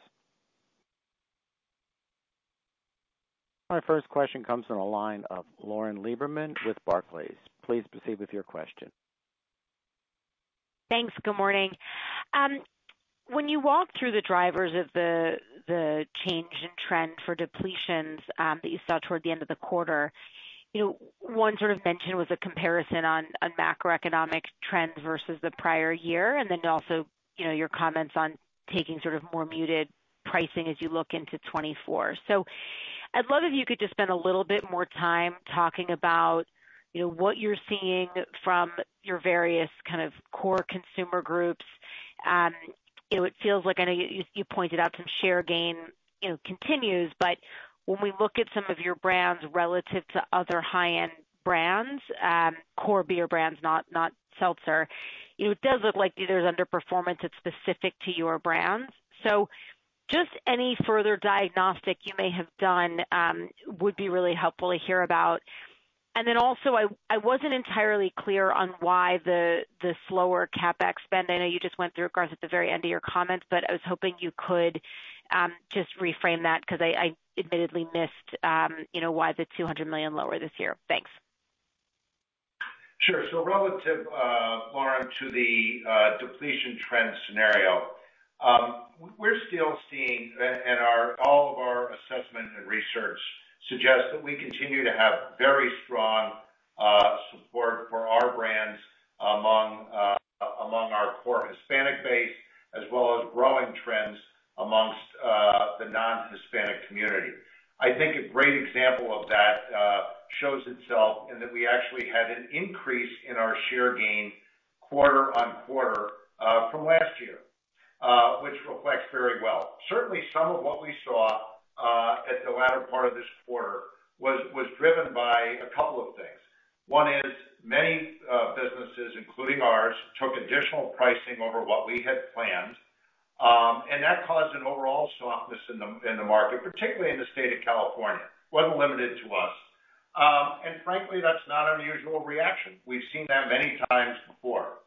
Our first question comes from the line of Lauren Lieberman with Barclays. Please proceed with your question. Thanks. Good morning. When you walked through the drivers of the change in trend for depletions, that you saw toward the end of the quarter, you know, one sort of mention was a comparison on a macroeconomic trend versus the prior year. You know, your comments on taking sort of more muted pricing as you look into 2024. I'd love if you could just spend a little bit more time talking about, you know, what you're seeing from your various kind of core consumer groups. You know, it feels like, I know you pointed out some share gain, you know, continues, but when we look at some of your brands relative to other high-end brands, core beer brands, not seltzer, you know, it does look like there's underperformance that's specific to your brands. Just any further diagnostic you may have done, would be really helpful to hear about. I wasn't entirely clear on why the slower CapEx spend. I know you just went through, Garth, at the very end of your comments, but I was hoping you could just reframe that because I admittedly missed, you know, why the $200 million lower this year. Thanks. Relative, Lauren, to the depletion trend scenario, we're still seeing all of our assessment and research suggests that we continue to have very strong support for our brands among our core Hispanic base, as well as growing trends amongst the non-Hispanic community. I think a great example of that shows itself in that we actually had an increase in our share gain quarter-on-quarter from last year, which reflects very well. Certainly, some of what we saw at the latter part of this quarter was driven by a couple of things. One is many businesses, including ours, took additional pricing over what we had planned. That caused an overall softness in the market, particularly in the state of California. It wasn't limited to us. Frankly, that's not unusual reaction. We've seen that many times before.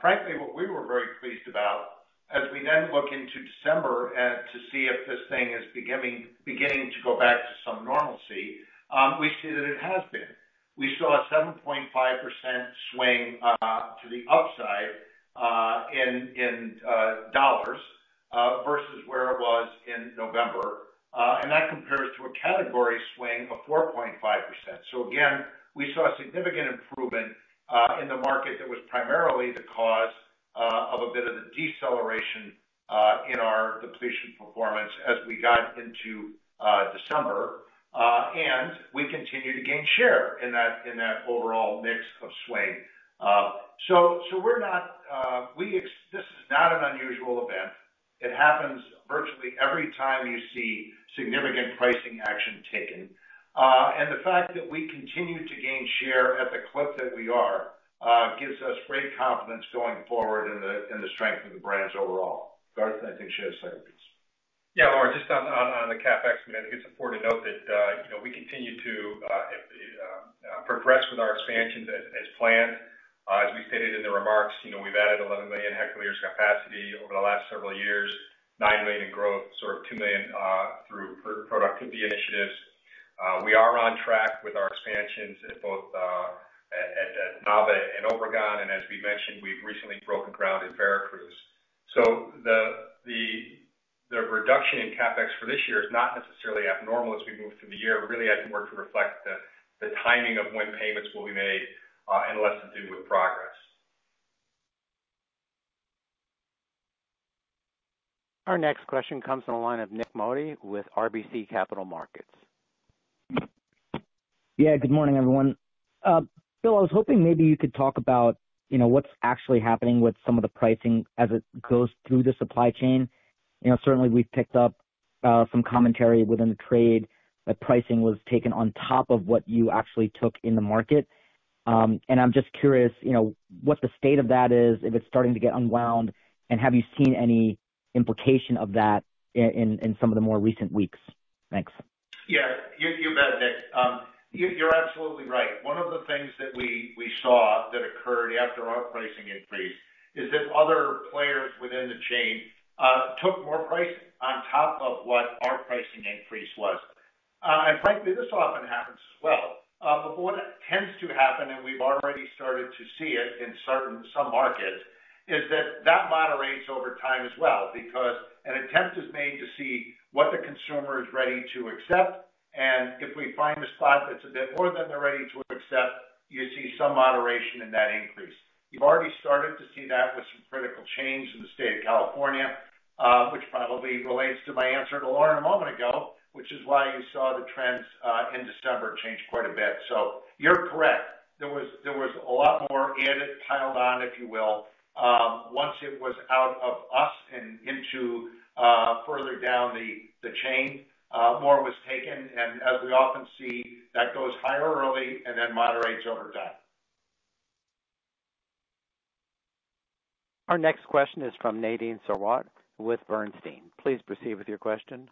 Frankly, what we were very pleased about as we look into December and to see if this thing is beginning to go back to some normalcy, we see that it has been. We saw a 7.5% swing to the upside in dollars versus where it was in November. That compares to a category swing of 4.5%. Again, we saw a significant improvement in the market that was primarily the cause of a bit of the deceleration in our depletion performance as we got into December. We continue to gain share in that overall mix of swing. We're not, this is not an unusual event. It happens virtually every time you see significant pricing action taken. The fact that we continue to gain share at the clip that we are, gives us great confidence going forward in the strength of the brands overall. Garth, I think you should say this. Lauren, just on the CapEx, I mean, I think it's important to note that, you know, we continue to progress with our expansions as planned. As we stated in the remarks, you know, we've added 11 million hectoliters capacity over the last several years, 9 million in growth, sort of 2 million through pro-productivity initiatives. We are on track with our expansions at both Nava and Obregon. As we mentioned, we've recently broken ground in Veracruz. The reduction in CapEx for this year is not necessarily abnormal as we move through the year. It really has more to reflect the timing of when payments will be made, and less to do with progress. Our next question comes from the line of Nik Modi with RBC Capital Markets. Yeah, good morning, everyone. Bill, I was hoping maybe you could talk about, you know, what's actually happening with some of the pricing as it goes through the supply chain. You know, certainly we've picked up some commentary within the trade that pricing was taken on top of what you actually took in the market. I'm just curious, you know, what the state of that is, if it's starting to get unwound, and have you seen any implication of that in some of the more recent weeks? Thanks. Yeah, you bet, Nick. You're absolutely right. One of the things that we saw that occurred after our pricing increase is that other players within the chain took more price on top of what our pricing increase was. Frankly, this often happens as well. What tends to happen, and we've already started to see it in certain some markets, is that that moderates over time as well because an attempt is made to see what the consumer is ready to accept. If we find a spot that's a bit more than they're ready to accept, you see some moderation in that increase. You've already started to see that with some critical change in the state of California, which probably relates to my answer to Lauren a moment ago. Which is why you saw the trends in December change quite a bit. You're correct. There was a lot more added piled on, if you will. Once it was out of us and into further down the chain, more was taken. As we often see, that goes higher early and then moderates over time. Our next question is from Nadine Sarwat with Bernstein. Please proceed with your question.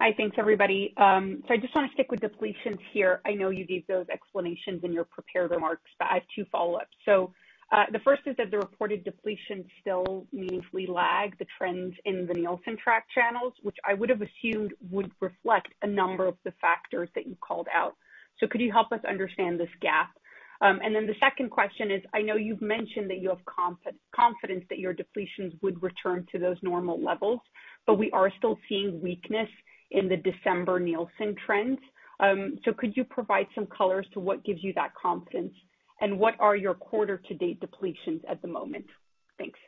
Hi. Thanks, everybody. I just wanna stick with depletions here. I know you gave those explanations in your prepared remarks, but I have two follow-ups. The first is that the reported depletion still meaningfully lags the trends in the Nielsen track channels, which I would have assumed would reflect a number of the factors that you called out. Could you help us understand this gap? Then the second question is, I know you've mentioned that you have confidence that your depletions would return to those normal levels, but we are still seeing weakness in the December Nielsen trends. Could you provide some color as to what gives you that confidence, and what are your quarter to date depletions at the moment? Thanks.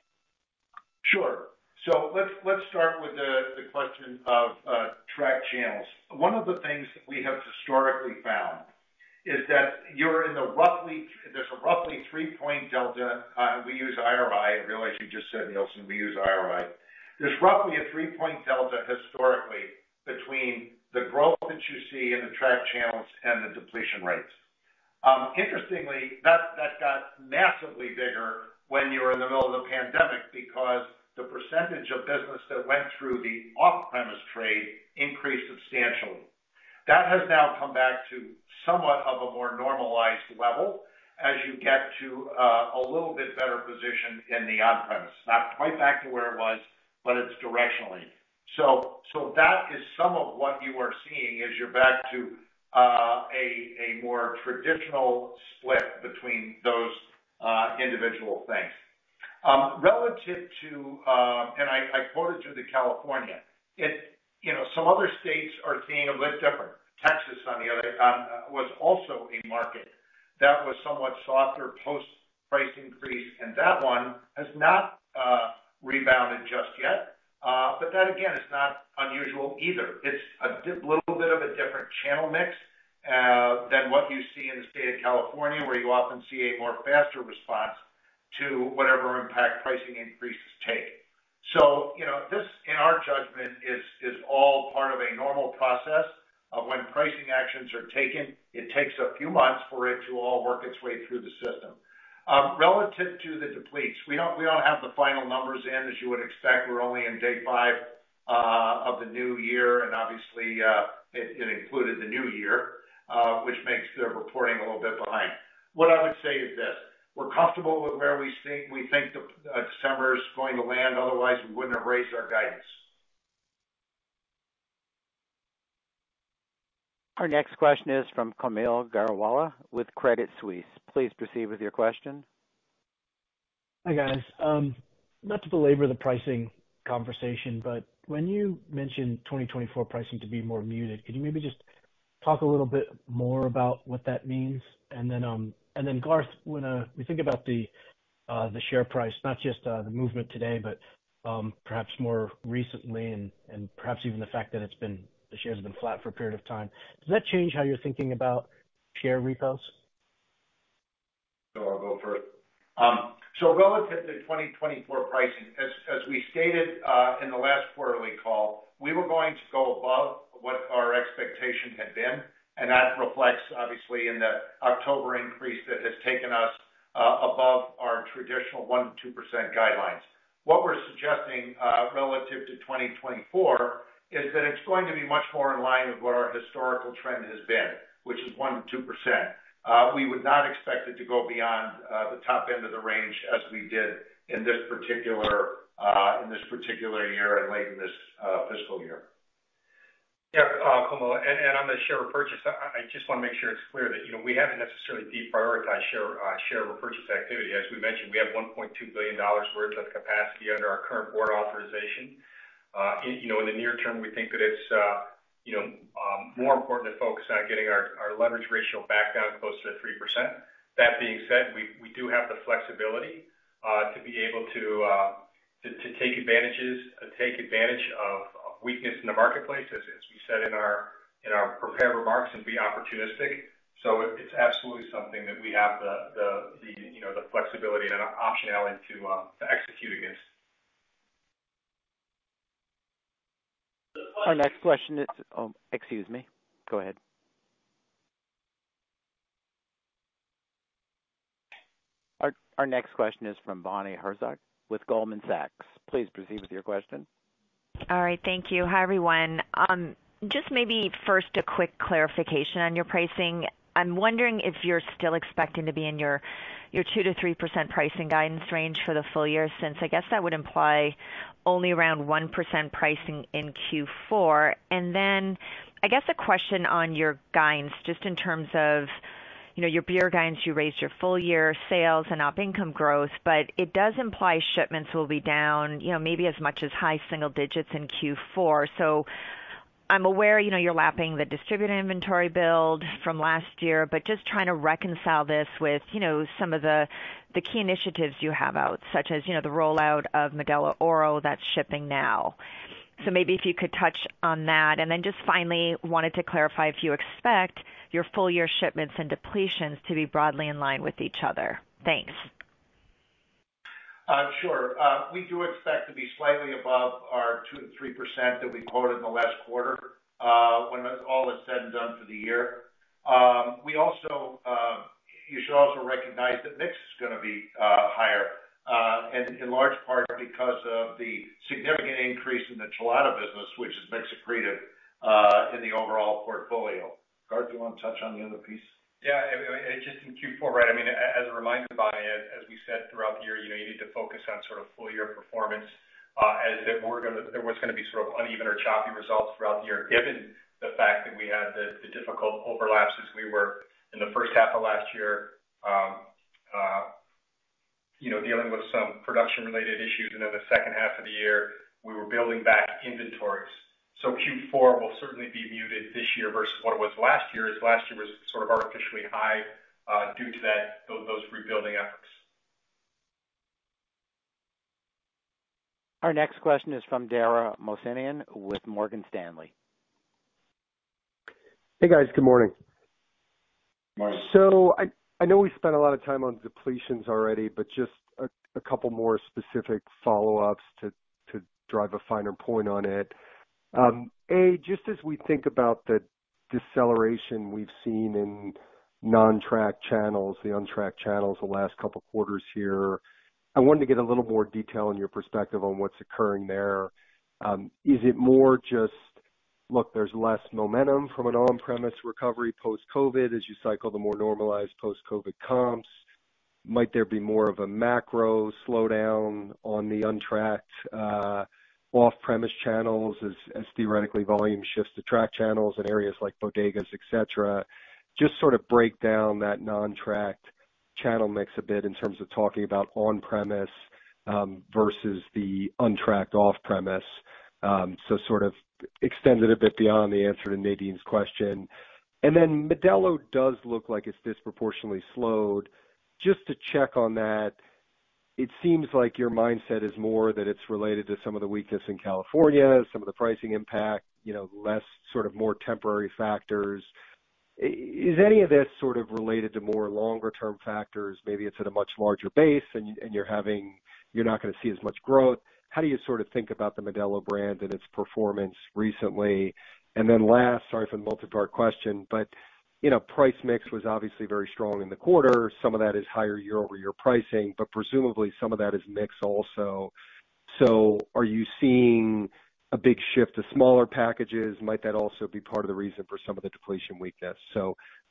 Sure. Let's start with the question of track channels. One of the things that we have historically found is that there's a roughly 3-point delta. We use IRI. I realize you just said Nielsen. We use IRI. There's roughly a 3-point delta historically between the growth that you see in the track channels and the depletion rates. Interestingly, that got massively bigger when you were in the middle of the pandemic because the % of business that went through the off-premise trade increased substantially. That has now come back to somewhat of a more normalized level as you get to a little bit better position in the on-premise. Not quite back to where it was, it's directionally. So that is some of what you are seeing as you're back to a more traditional split between those individual things. Relative to, I quoted you the California. You know, some other states are seeing a bit different. Texas, on the other, was also a market that was somewhat softer post price increase, and that one has not rebounded just yet. That again is not unusual either. It's a little bit of a different channel mix than what you see in the state of California, where you often see a more faster response to whatever impact pricing increases take. You know, this, in our judgment, is all part of a normal process of when pricing actions are taken. It takes a few months for it to all work its way through the system. Relative to the depletes, we don't have the final numbers in, as you would expect. We're only in day five of the new year, and obviously, it included the new year, which makes the reporting a little bit behind. What I would say is this: We're comfortable with where we think the December is going to land, otherwise we wouldn't have raised our guidance. Our next question is from Kaumil Gajrawala with Credit Suisse. Please proceed with your question. Hi, guys. Not to belabor the pricing conversation, when you mention 2024 pricing to be more muted, could you maybe just talk a little bit more about what that means? Garth, when we think about the share price, not just the movement today, but perhaps more recently and perhaps even the fact that the share's been flat for a period of time, does that change how you're thinking about share repurchases? I'll go first. Relative to 2024 pricing, as we stated in the last quarterly call, we were going to go above what our expectation had been, and that reflects obviously in the October increase that has taken us above our traditional 1%-2% guidelines. What we're suggesting relative to 2024 is that it's going to be much more in line with what our historical trend has been, which is 1%-2%. We would not expect it to go beyond the top end of the range as we did in this particular in this particular year and late in this fiscal year. Kumail, on the share repurchase, I just wanna make sure it's clear that, you know, we haven't necessarily deprioritized share repurchase activity. As we mentioned, we have $1.2 billion worth of capacity under our current board authorization. You know, in the near term, we think that it's, you know, more important to focus on getting our leverage ratio back down close to 3%. That being said, we do have the flexibility to be able to take advantage of weakness in the marketplace, as we said in our prepared remarks, and be opportunistic. It's absolutely something that we have the flexibility and optionality to execute against. Our next question is. Excuse me. Go ahead. Our next question is from Bonnie Herzog with Goldman Sachs. Please proceed with your question. All right. Thank you. Hi, everyone. Just maybe first a quick clarification on your pricing. I'm wondering if you're still expecting to be in your 2%-3% pricing guidance range for the full year, since I guess that would imply only around 1% pricing in Q4. I guess a question on your guidance, just in terms of, you know, your beer guidance. You raised your full year sales and op income growth, but it does imply shipments will be down, you know, maybe as much as high single digits in Q4. I'm aware, you know, you're lapping the distributor inventory build from last year, but just trying to reconcile this with, you know, some of the key initiatives you have out, such as, you know, the rollout of Modelo Oro that's shipping now. Maybe if you could touch on that. Just finally wanted to clarify if you expect your full year shipments and depletions to be broadly in line with each other. Thanks. Sure. We do expect to be slightly above our 2%-3% that we quoted in the last quarter, when all is said and done for the year. We also, you should also recognize that mix is gonna be higher, and in large part because of the significant increase in the Chelada business, which is mix accretive, in the overall portfolio. Garth, do you wanna touch on the other piece? Yeah, just in Q4, right? I mean, as a reminder, Bonnie, as we said throughout the year, you know, you need to focus on sort of full year performance, as there was gonna be sort of uneven or choppy results throughout the year, given the fact that we had the difficult overlaps as we were in the first half of last year, you know, dealing with some production related issues. In the second half of the year, we were building back inventories. Q4 will certainly be muted this year versus what it was last year, as last year was sort of artificially high, due to those rebuilding efforts. Our next question is from Dara Mohsenian with Morgan Stanley. Hey, guys. Good morning. Morning. I know we spent a lot of time on depletions already, but just a couple more specific follow-ups to drive a finer point on it. Just as we think about the deceleration we've seen in non-tracked channels, the untracked channels the last couple quarters here, I wanted to get a little more detail on your perspective on what's occurring there. Is it more just, look, there's less momentum from an on-premise recovery post-COVID as you cycle the more normalized post-COVID comps? Might there be more of a macro slowdown on the untracked off-premise channels as theoretically volume shifts to tracked channels in areas like bodegas, et cetera? Just sort of break down that non-tracked channel mix a bit in terms of talking about on-premise versus the untracked off-premise. Sort of extend it a bit beyond the answer to Nadine's question. Modelo does look like it's disproportionately slowed. Just to check on that, it seems like your mindset is more that it's related to some of the weakness in California, some of the pricing impact, you know, less sort of more temporary factors. Is any of this sort of related to more longer term factors? Maybe it's at a much larger base and you're not gonna see as much growth. How do you sort of think about the Modelo brand and its performance recently? Last, sorry for the multipart question, but, you know, price mix was obviously very strong in the quarter. Some of that is higher year-over-year pricing, but presumably some of that is mix also. Are you seeing a big shift to smaller packages? Might that also be part of the reason for some of the depletion weakness?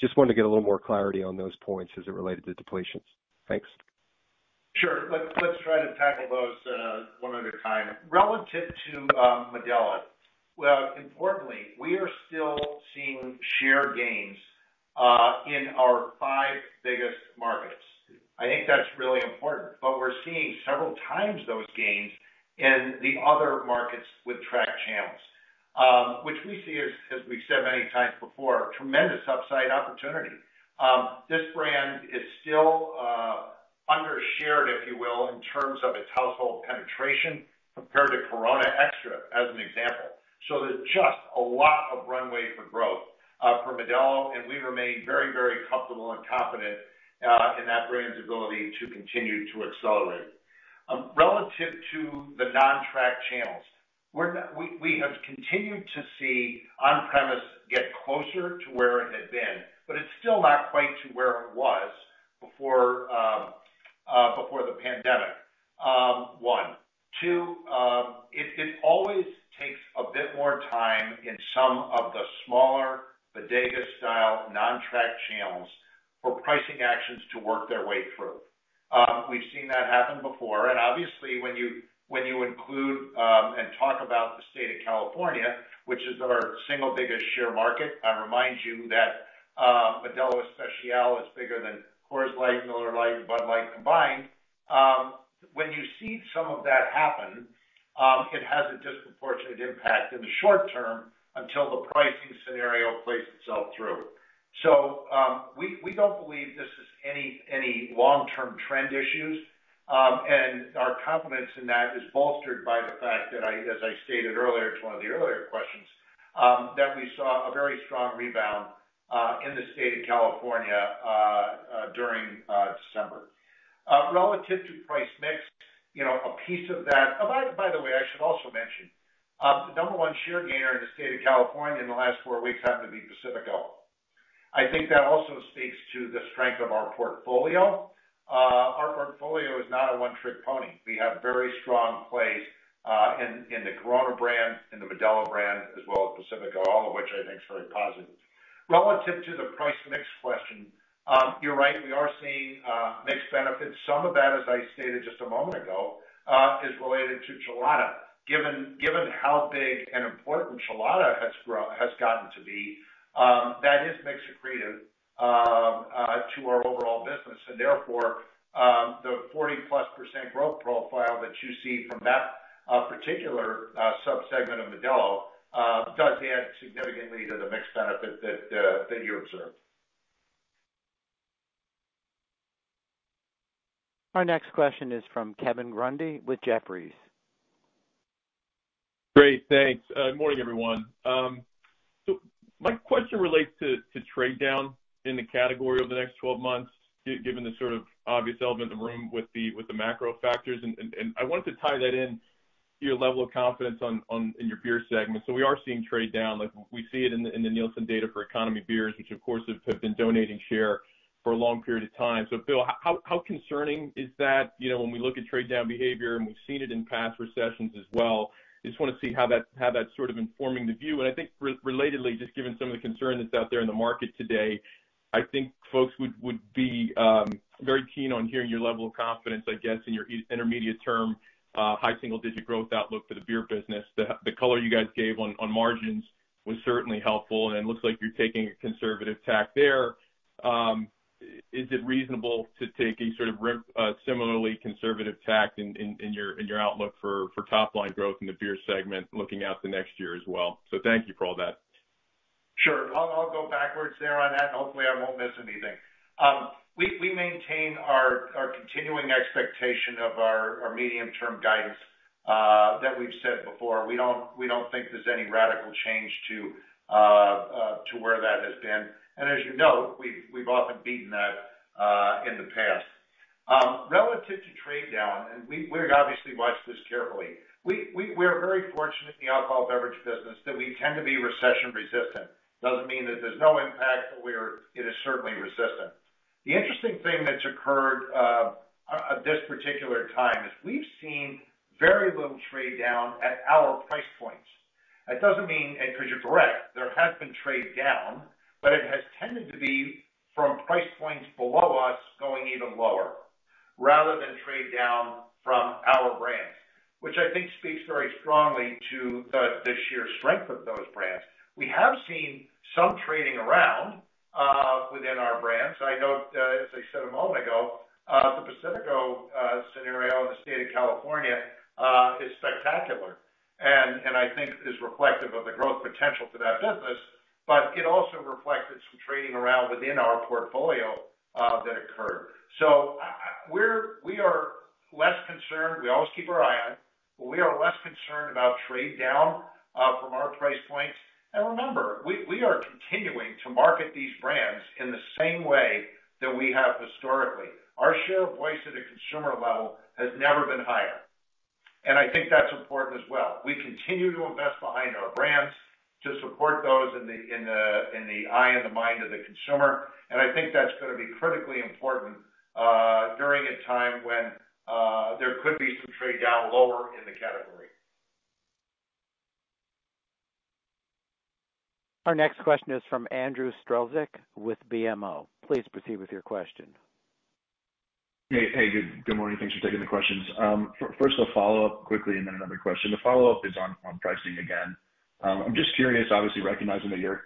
Just wanted to get a little more clarity on those points as it related to depletions. Thanks. Sure. Let's try to tackle those, one at a time. Relative to Modelo, well, importantly, we are still seeing share gains in our five biggest markets. I think that's really important. We're seeing several times those gains in the other markets with tracked channels, which we see as we've said many times before, tremendous upside opportunity. This brand is still under-shared, if you will, in terms of its household penetration compared to Corona Extra, as an example. There's just a lot of runway for growth for Modelo. We remain very, very comfortable and confident in that brand's ability to continue to accelerate. Relative to the non-tracked channels, we have continued to see on-premise get closer to where it had been, but it's still not quite to where it was before the pandemic, one. Two, it always takes a bit more time in some of the smaller bodega-style non-tracked channels for pricing actions to work their way through. We've seen that happen before. Obviously, when you include and talk about the state of California, which is our single biggest share market, I remind you that Modelo Especial is bigger than Coors Light, Miller Lite, Bud Light combined. When you see some of that happen, it has a disproportionate impact in the short term until the pricing scenario plays itself through. We don't believe this is any long-term trend issues. Our confidence in that is bolstered by the fact that as I stated earlier to one of the earlier questions, that we saw a very strong rebound in the state of California during December. Relative to price mix, you know, a piece of that. By the way, I should also mention, the number one share gainer in the state of California in the last four weeks happened to be Pacifico. I think that also speaks to the strength of our portfolio. Our portfolio is not a one-trick pony. We have very strong plays in the Corona brand, in the Modelo brand, as well as Pacifico, all of which I think is very positive. Relative to the price mix question, you're right, we are seeing mixed benefits. Some of that, as I stated just a moment ago, is related to Chelada. Given how big and important Chelada has gotten to be, that is mix accretive to our overall business. Therefore, the 40-plus % growth profile that you see from that particular subsegment of Modelo, does add significantly to the mix benefit that you observe. Our next question is from Kevin Grundy with Jefferies. Great, thanks. Good morning, everyone. My question relates to trade down in the category over the next 12 months given the sort of obvious elephant in the room with the macro factors. And I wanted to tie that in to your level of confidence in your beer segment. We are seeing trade down, like we see it in the Nielsen data for economy beers, which of course have been donating share for a long period of time. Bill, how concerning is that? You know, when we look at trade down behavior, and we've seen it in past recessions as well, just wanna see how that's sort of informing the view. I think relatedly, just given some of the concern that's out there in the market today, I think folks would be very keen on hearing your level of confidence, I guess, in your intermediate term, high single digit growth outlook for the beer business. The color you guys gave on margins was certainly helpful, and it looks like you're taking a conservative tack there. Is it reasonable to take a similarly conservative tack in your outlook for top line growth in the beer segment looking out the next year as well? Thank you for all that. Sure. I'll go backwards there on that, and hopefully I won't miss anything. We maintain our continuing expectation of our medium-term guidance that we've said before. We don't think there's any radical change to where that has been. As you know, we've often beaten that in the past. Relative to trade down, we obviously watch this carefully. We're very fortunate in the alcohol beverage business that we tend to be recession resistant. Doesn't mean that there's no impact, but it is certainly resistant. The interesting thing that's occurred at this particular time is we've seen very little trade down at our price points. That doesn't mean... Because you're correct, there has been trade down, but it has tended to be from price points below us going even lower rather than trade down from our brands, which I think speaks very strongly to the sheer strength of those brands. We have seen some trading around within our brands. I note as I said a moment ago, the Pacifico scenario in the state of California is spectacular and I think is reflective of the growth potential for that business, but it also reflected some trading around within our portfolio that occurred. We are less concerned. We always keep our eye on it, but we are less concerned about trade down from our price points. Remember, we are continuing to market these brands in the same way that we have historically. Our share of voice at a consumer level has never been higher. I think that's important as well. We continue to invest behind our brands to support those in the eye and the mind of the consumer. I think that's gonna be critically important during a time when there could be some trade down lower in the category. Our next question is from Andrew Strelzik with BMO. Please proceed with your question. Hey, hey. Good morning. Thanks for taking the questions. First a follow-up quickly and then another question. The follow-up is on pricing again. I'm just curious, obviously recognizing that you're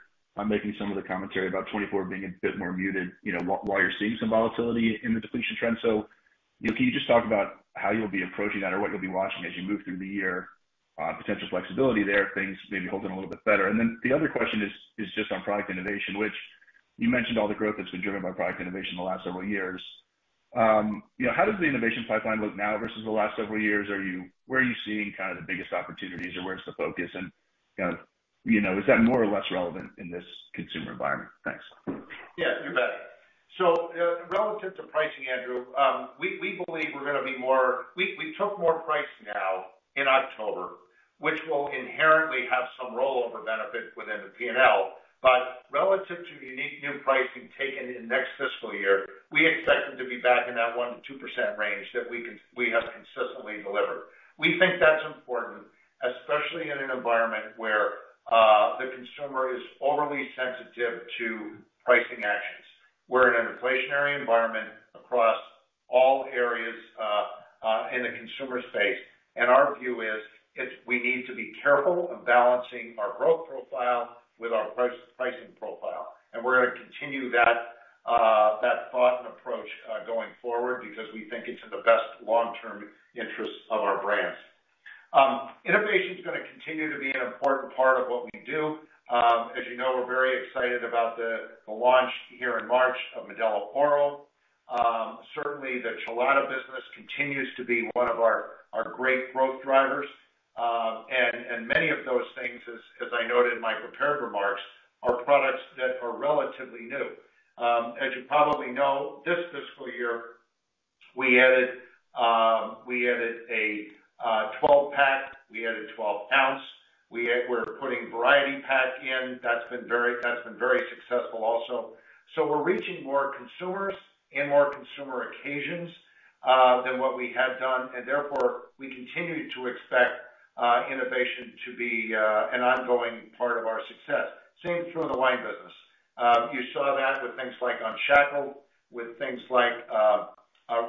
making some of the commentary about 2024 being a bit more muted, you know, while you're seeing some volatility in the depletion trend. You know, can you just talk about how you'll be approaching that or what you'll be watching as you move through the year, potential flexibility there if things maybe hold in a little bit better? Then the other question is just on product innovation, which you mentioned all the growth that's been driven by product innovation in the last several years. You know, how does the innovation pipeline look now versus the last several years? Where are you seeing kind of the biggest opportunities or where's the focus? You know, is that more or less relevant in this consumer environment? Thanks. You bet. Relative to pricing, Andrew, we believe we're gonna be more. We took more price now in October, which will inherently have some rollover benefit within the P&L. Relative to unique new pricing taken in next fiscal year, we expect them to be back in that 1%-2% range that we have consistently delivered. We think that's important, especially in an environment where the consumer is overly sensitive to pricing actions. We're in an inflationary environment across all areas in the consumer space, and our view is we need to be careful in balancing our growth profile with our pricing profile. We're gonna continue that thought and approach going forward because we think it's in the best long-term interest of our brands. Innovation's gonna continue to be an important part of what we do. As you know, we're very excited about the launch here in March of Modelo Oro. Certainly the Chelada business continues to be one of our great growth drivers. And many of those things, as I noted in my prepared remarks, are products that are relatively new. As you probably know, this fiscal year, we added a 12-pack, we added 12-ounce, we're putting variety pack in. That's been very successful also. We're reaching more consumers and more consumer occasions than what we had done, and therefore, we continue to expect innovation to be an ongoing part of our success. Same is true in the wine business. You saw that with things like Unshackled, with things like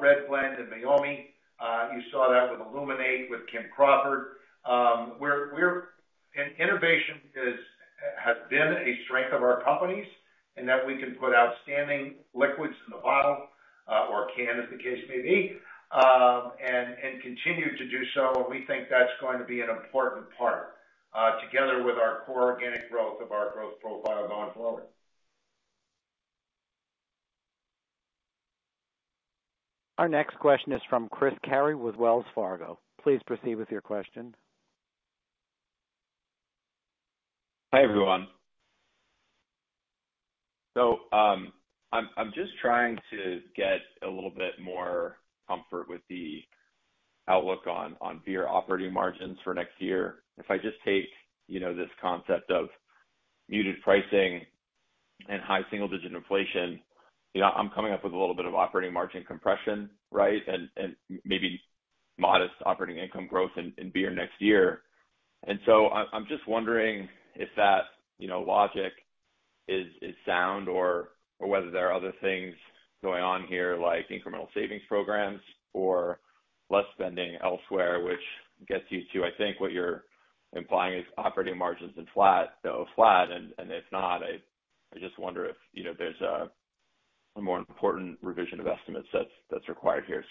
Red Blend and Meiomi. You saw that with Illuminate, with Kim Crawford. Innovation has been a strength of our companies in that we can put outstanding liquids in the bottle or can, as the case may be, and continue to do so, and we think that's going to be an important part together with our core organic growth of our growth profile going forward. Our next question is from Chris Carey with Wells Fargo. Please proceed with your question. Hi, everyone. I'm just trying to get a little bit more comfort with the outlook on beer operating margins for next year. If I just take, you know, this concept of muted pricing and high single-digit inflation, you know, I'm coming up with a little bit of operating margin compression, right? Maybe modest operating income growth in beer next year. I'm just wondering if that, you know, logic is sound or whether there are other things going on here, like incremental savings programs or less spending elsewhere, which gets you to, I think what you're implying is operating margins in flat. Flat and if not, I just wonder if, you know, there's a more important revision of estimates that's required here.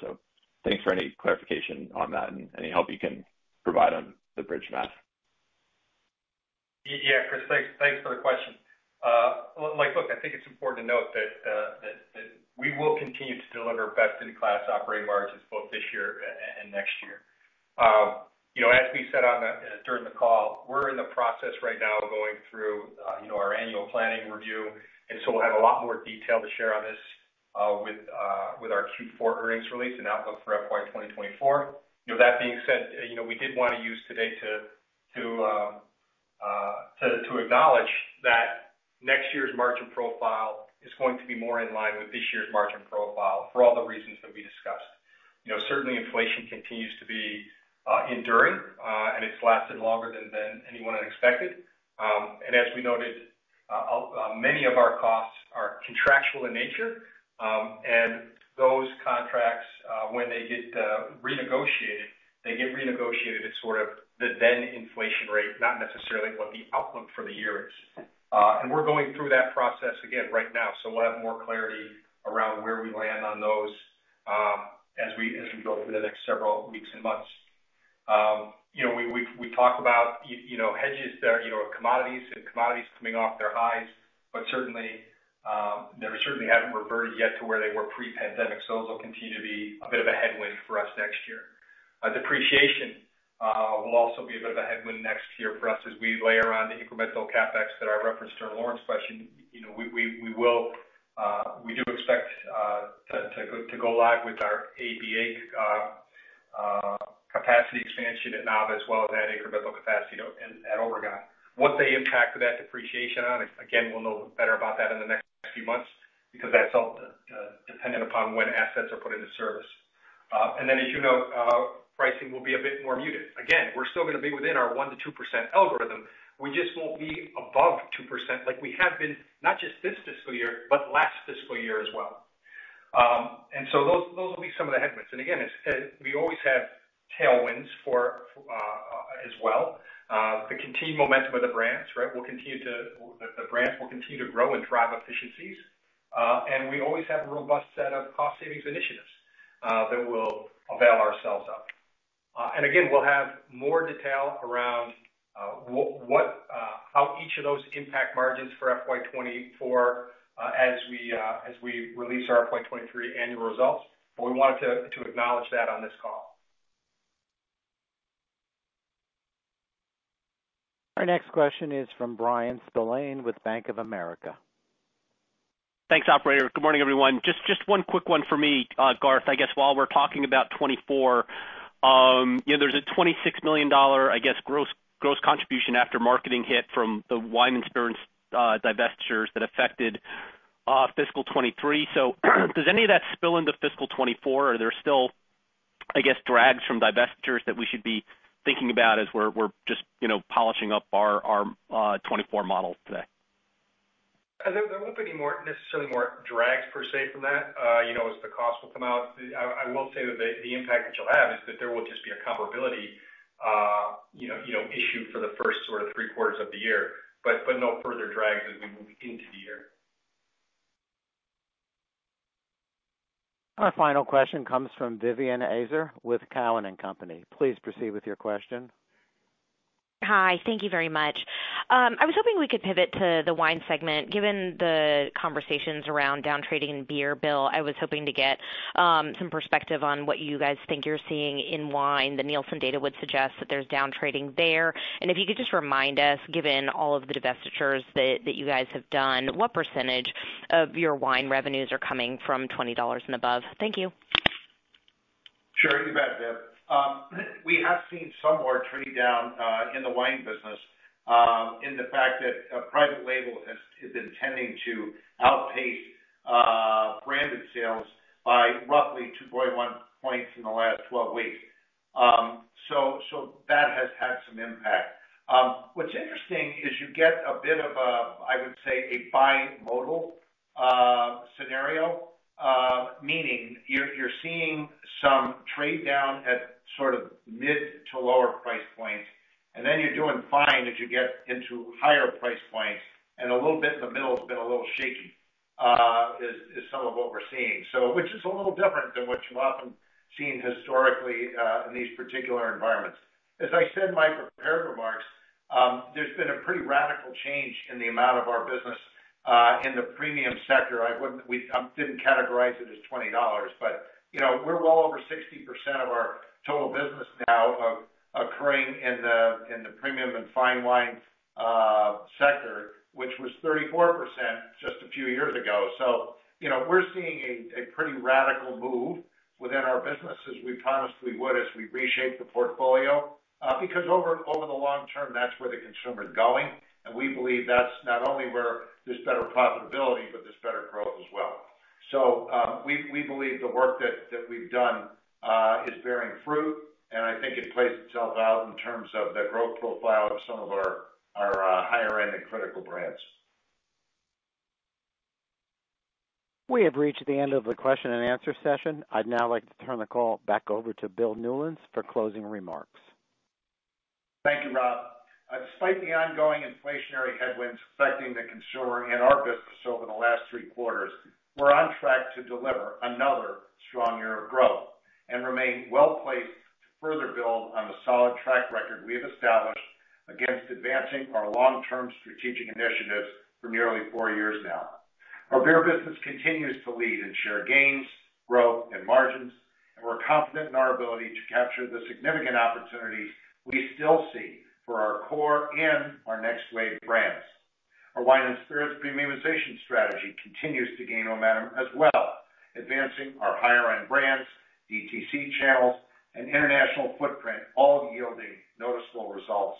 Thanks for any clarification on that and any help you can provide on the bridge math. Chris, thanks for the question. Look, I think it's important to note that we will continue to deliver best-in-class operating margins both this year and next year. You know, as we said during the call, we're in the process right now of going through, you know, our annual planning review. We'll have a lot more detail to share on this with our Q4 earnings release and outlook for FY 2024. You know, that being said, you know, we did wanna use today to acknowledge that next year's margin profile is going to be more in line with this year's margin profile for all the reasons that we discussed. You know, certainly inflation continues to be enduring. It's lasted longer than anyone had expected. As we noted, many of our costs are contractual in nature. Those contracts, when they get renegotiated, they get renegotiated at sort of the then inflation rate, not necessarily what the outlook for the year is. We're going through that process again right now. We'll have more clarity around where we land on those, as we go through the next several weeks and months. You know, we talked about, you know, hedges there, you know, commodities and commodities coming off their highs. Certainly, they certainly haven't reverted yet to where they were pre-pandemic, those will continue to be a bit of a headwind for us next year. Depreciation will also be a bit of a headwind next year for us as we layer on the incremental CapEx that I referenced during Lauren's question. You know, we do expect to go live with our ABA capacity expansion at Nava as well as that incremental capacity at Obregon. What the impact of that depreciation on, again, we'll know better about that in the next few months because that's all dependent upon when assets are put into service. As you know, pricing will be a bit more muted. Again, we're still gonna be within our 1%-2% algorithm. We just won't be above 2% like we have been, not just this fiscal year, but last fiscal year as well. Those will be some of the headwinds. Again, as said, we always have tailwinds for as well. The continued momentum of the brands, right, will continue to grow and drive efficiencies. We always have a robust set of cost savings initiatives that we'll avail ourselves of. Again, we'll have more detail around what how each of those impact margins for FY24 as we release our FY23 annual results. We wanted to acknowledge that on this call. Our next question is from Bryan Spillane with Bank of America. Thanks, operator. Good morning, everyone. Just one quick one for me, Garth. I guess while we're talking about 2024, you know, there's a $26 million, I guess, gross contribution after marketing hit from the Wine and Spirits divestitures that affected fiscal 2023. Does any of that spill into fiscal 2024? Are there still, I guess, drags from divestitures that we should be thinking about as we're just, you know, polishing up our 2024 models today? There won't be any more, necessarily more drags per se from that, you know, as the costs will come out. I will say that the impact that you'll have is that there will just be a comparability, you know, issue for the first sort of 3 quarters of the year, but no further drags as we move into the year. Our final question comes from Vivien Azer with Cowen and Company. Please proceed with your question. Hi. Thank you very much. I was hoping we could pivot to the wine segment. Given the conversations around down trading in beer, Bill, I was hoping to get some perspective on what you guys think you're seeing in wine. The Nielsen data would suggest that there's down trading there. If you could just remind us, given all of the divestitures that you guys have done, what percentage of your wine revenues are coming from $20 and above? Thank you. Sure. You bet, Viv. We have seen some more trade down in the wine business, in the fact that private label has been tending to outpace branded sales by roughly 2.1 points in the last 12 weeks. That has had some impact. What's interesting is you get a bit of a, I would say, a bimodal scenario, meaning you're seeing some trade down at sort of mid to lower price points, and then you're doing fine as you get into higher price points, and a little bit in the middle has been a little shaky. Is some of what we're seeing. Which is a little different than what you often seen historically, in these particular environments. As I said in my prepared remarks, there's been a pretty radical change in the amount of our business, in the premium sector. We didn't categorize it as $20, but, you know, we're well over 60% of our total business now occurring in the, in the premium and fine wine, sector, which was 34% just a few years ago. You know, we're seeing a pretty radical move within our business as we promised we would as we reshaped the portfolio, because over the long term, that's where the consumer is going. We believe that's not only where there's better profitability, but there's better growth as well. We believe the work that we've done, is bearing fruit, and I think it plays itself out in terms of the growth profile of some of our higher-end and critical brands. We have reached the end of the question and answer session. I'd now like to turn the call back over to Bill Newlands for closing remarks. Thank you, Rob. Despite the ongoing inflationary headwinds affecting the consumer and our business over the last three quarters, we're on track to deliver another strong year of growth and remain well-placed to further build on the solid track record we have established against advancing our long-term strategic initiatives for nearly four years now. Our beer business continues to lead in share gains, growth, and margins, and we're confident in our ability to capture the significant opportunities we still see for our core and our next wave brands. Our wine and spirits premiumization strategy continues to gain momentum as well, advancing our higher-end brands, DTC channels, and international footprint, all yielding noticeable results.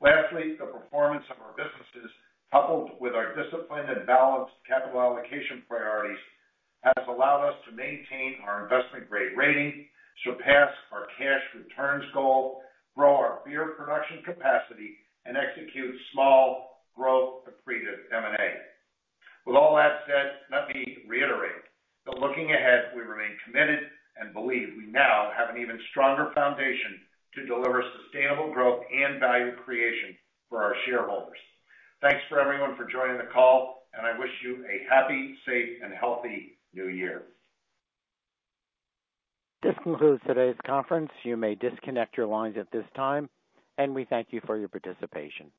Lastly, the performance of our businesses, coupled with our disciplined and balanced capital allocation priorities, has allowed us to maintain our investment-grade rating, surpass our cash returns goal, grow our beer production capacity, and execute small growth accretive M&A. With all that said, let me reiterate that looking ahead, we remain committed and believe we now have an even stronger foundation to deliver sustainable growth and value creation for our shareholders. Thanks for everyone for joining the call, and I wish you a happy, safe, and healthy New Year. This concludes today's conference. You may disconnect your lines at this time, and we thank you for your participation.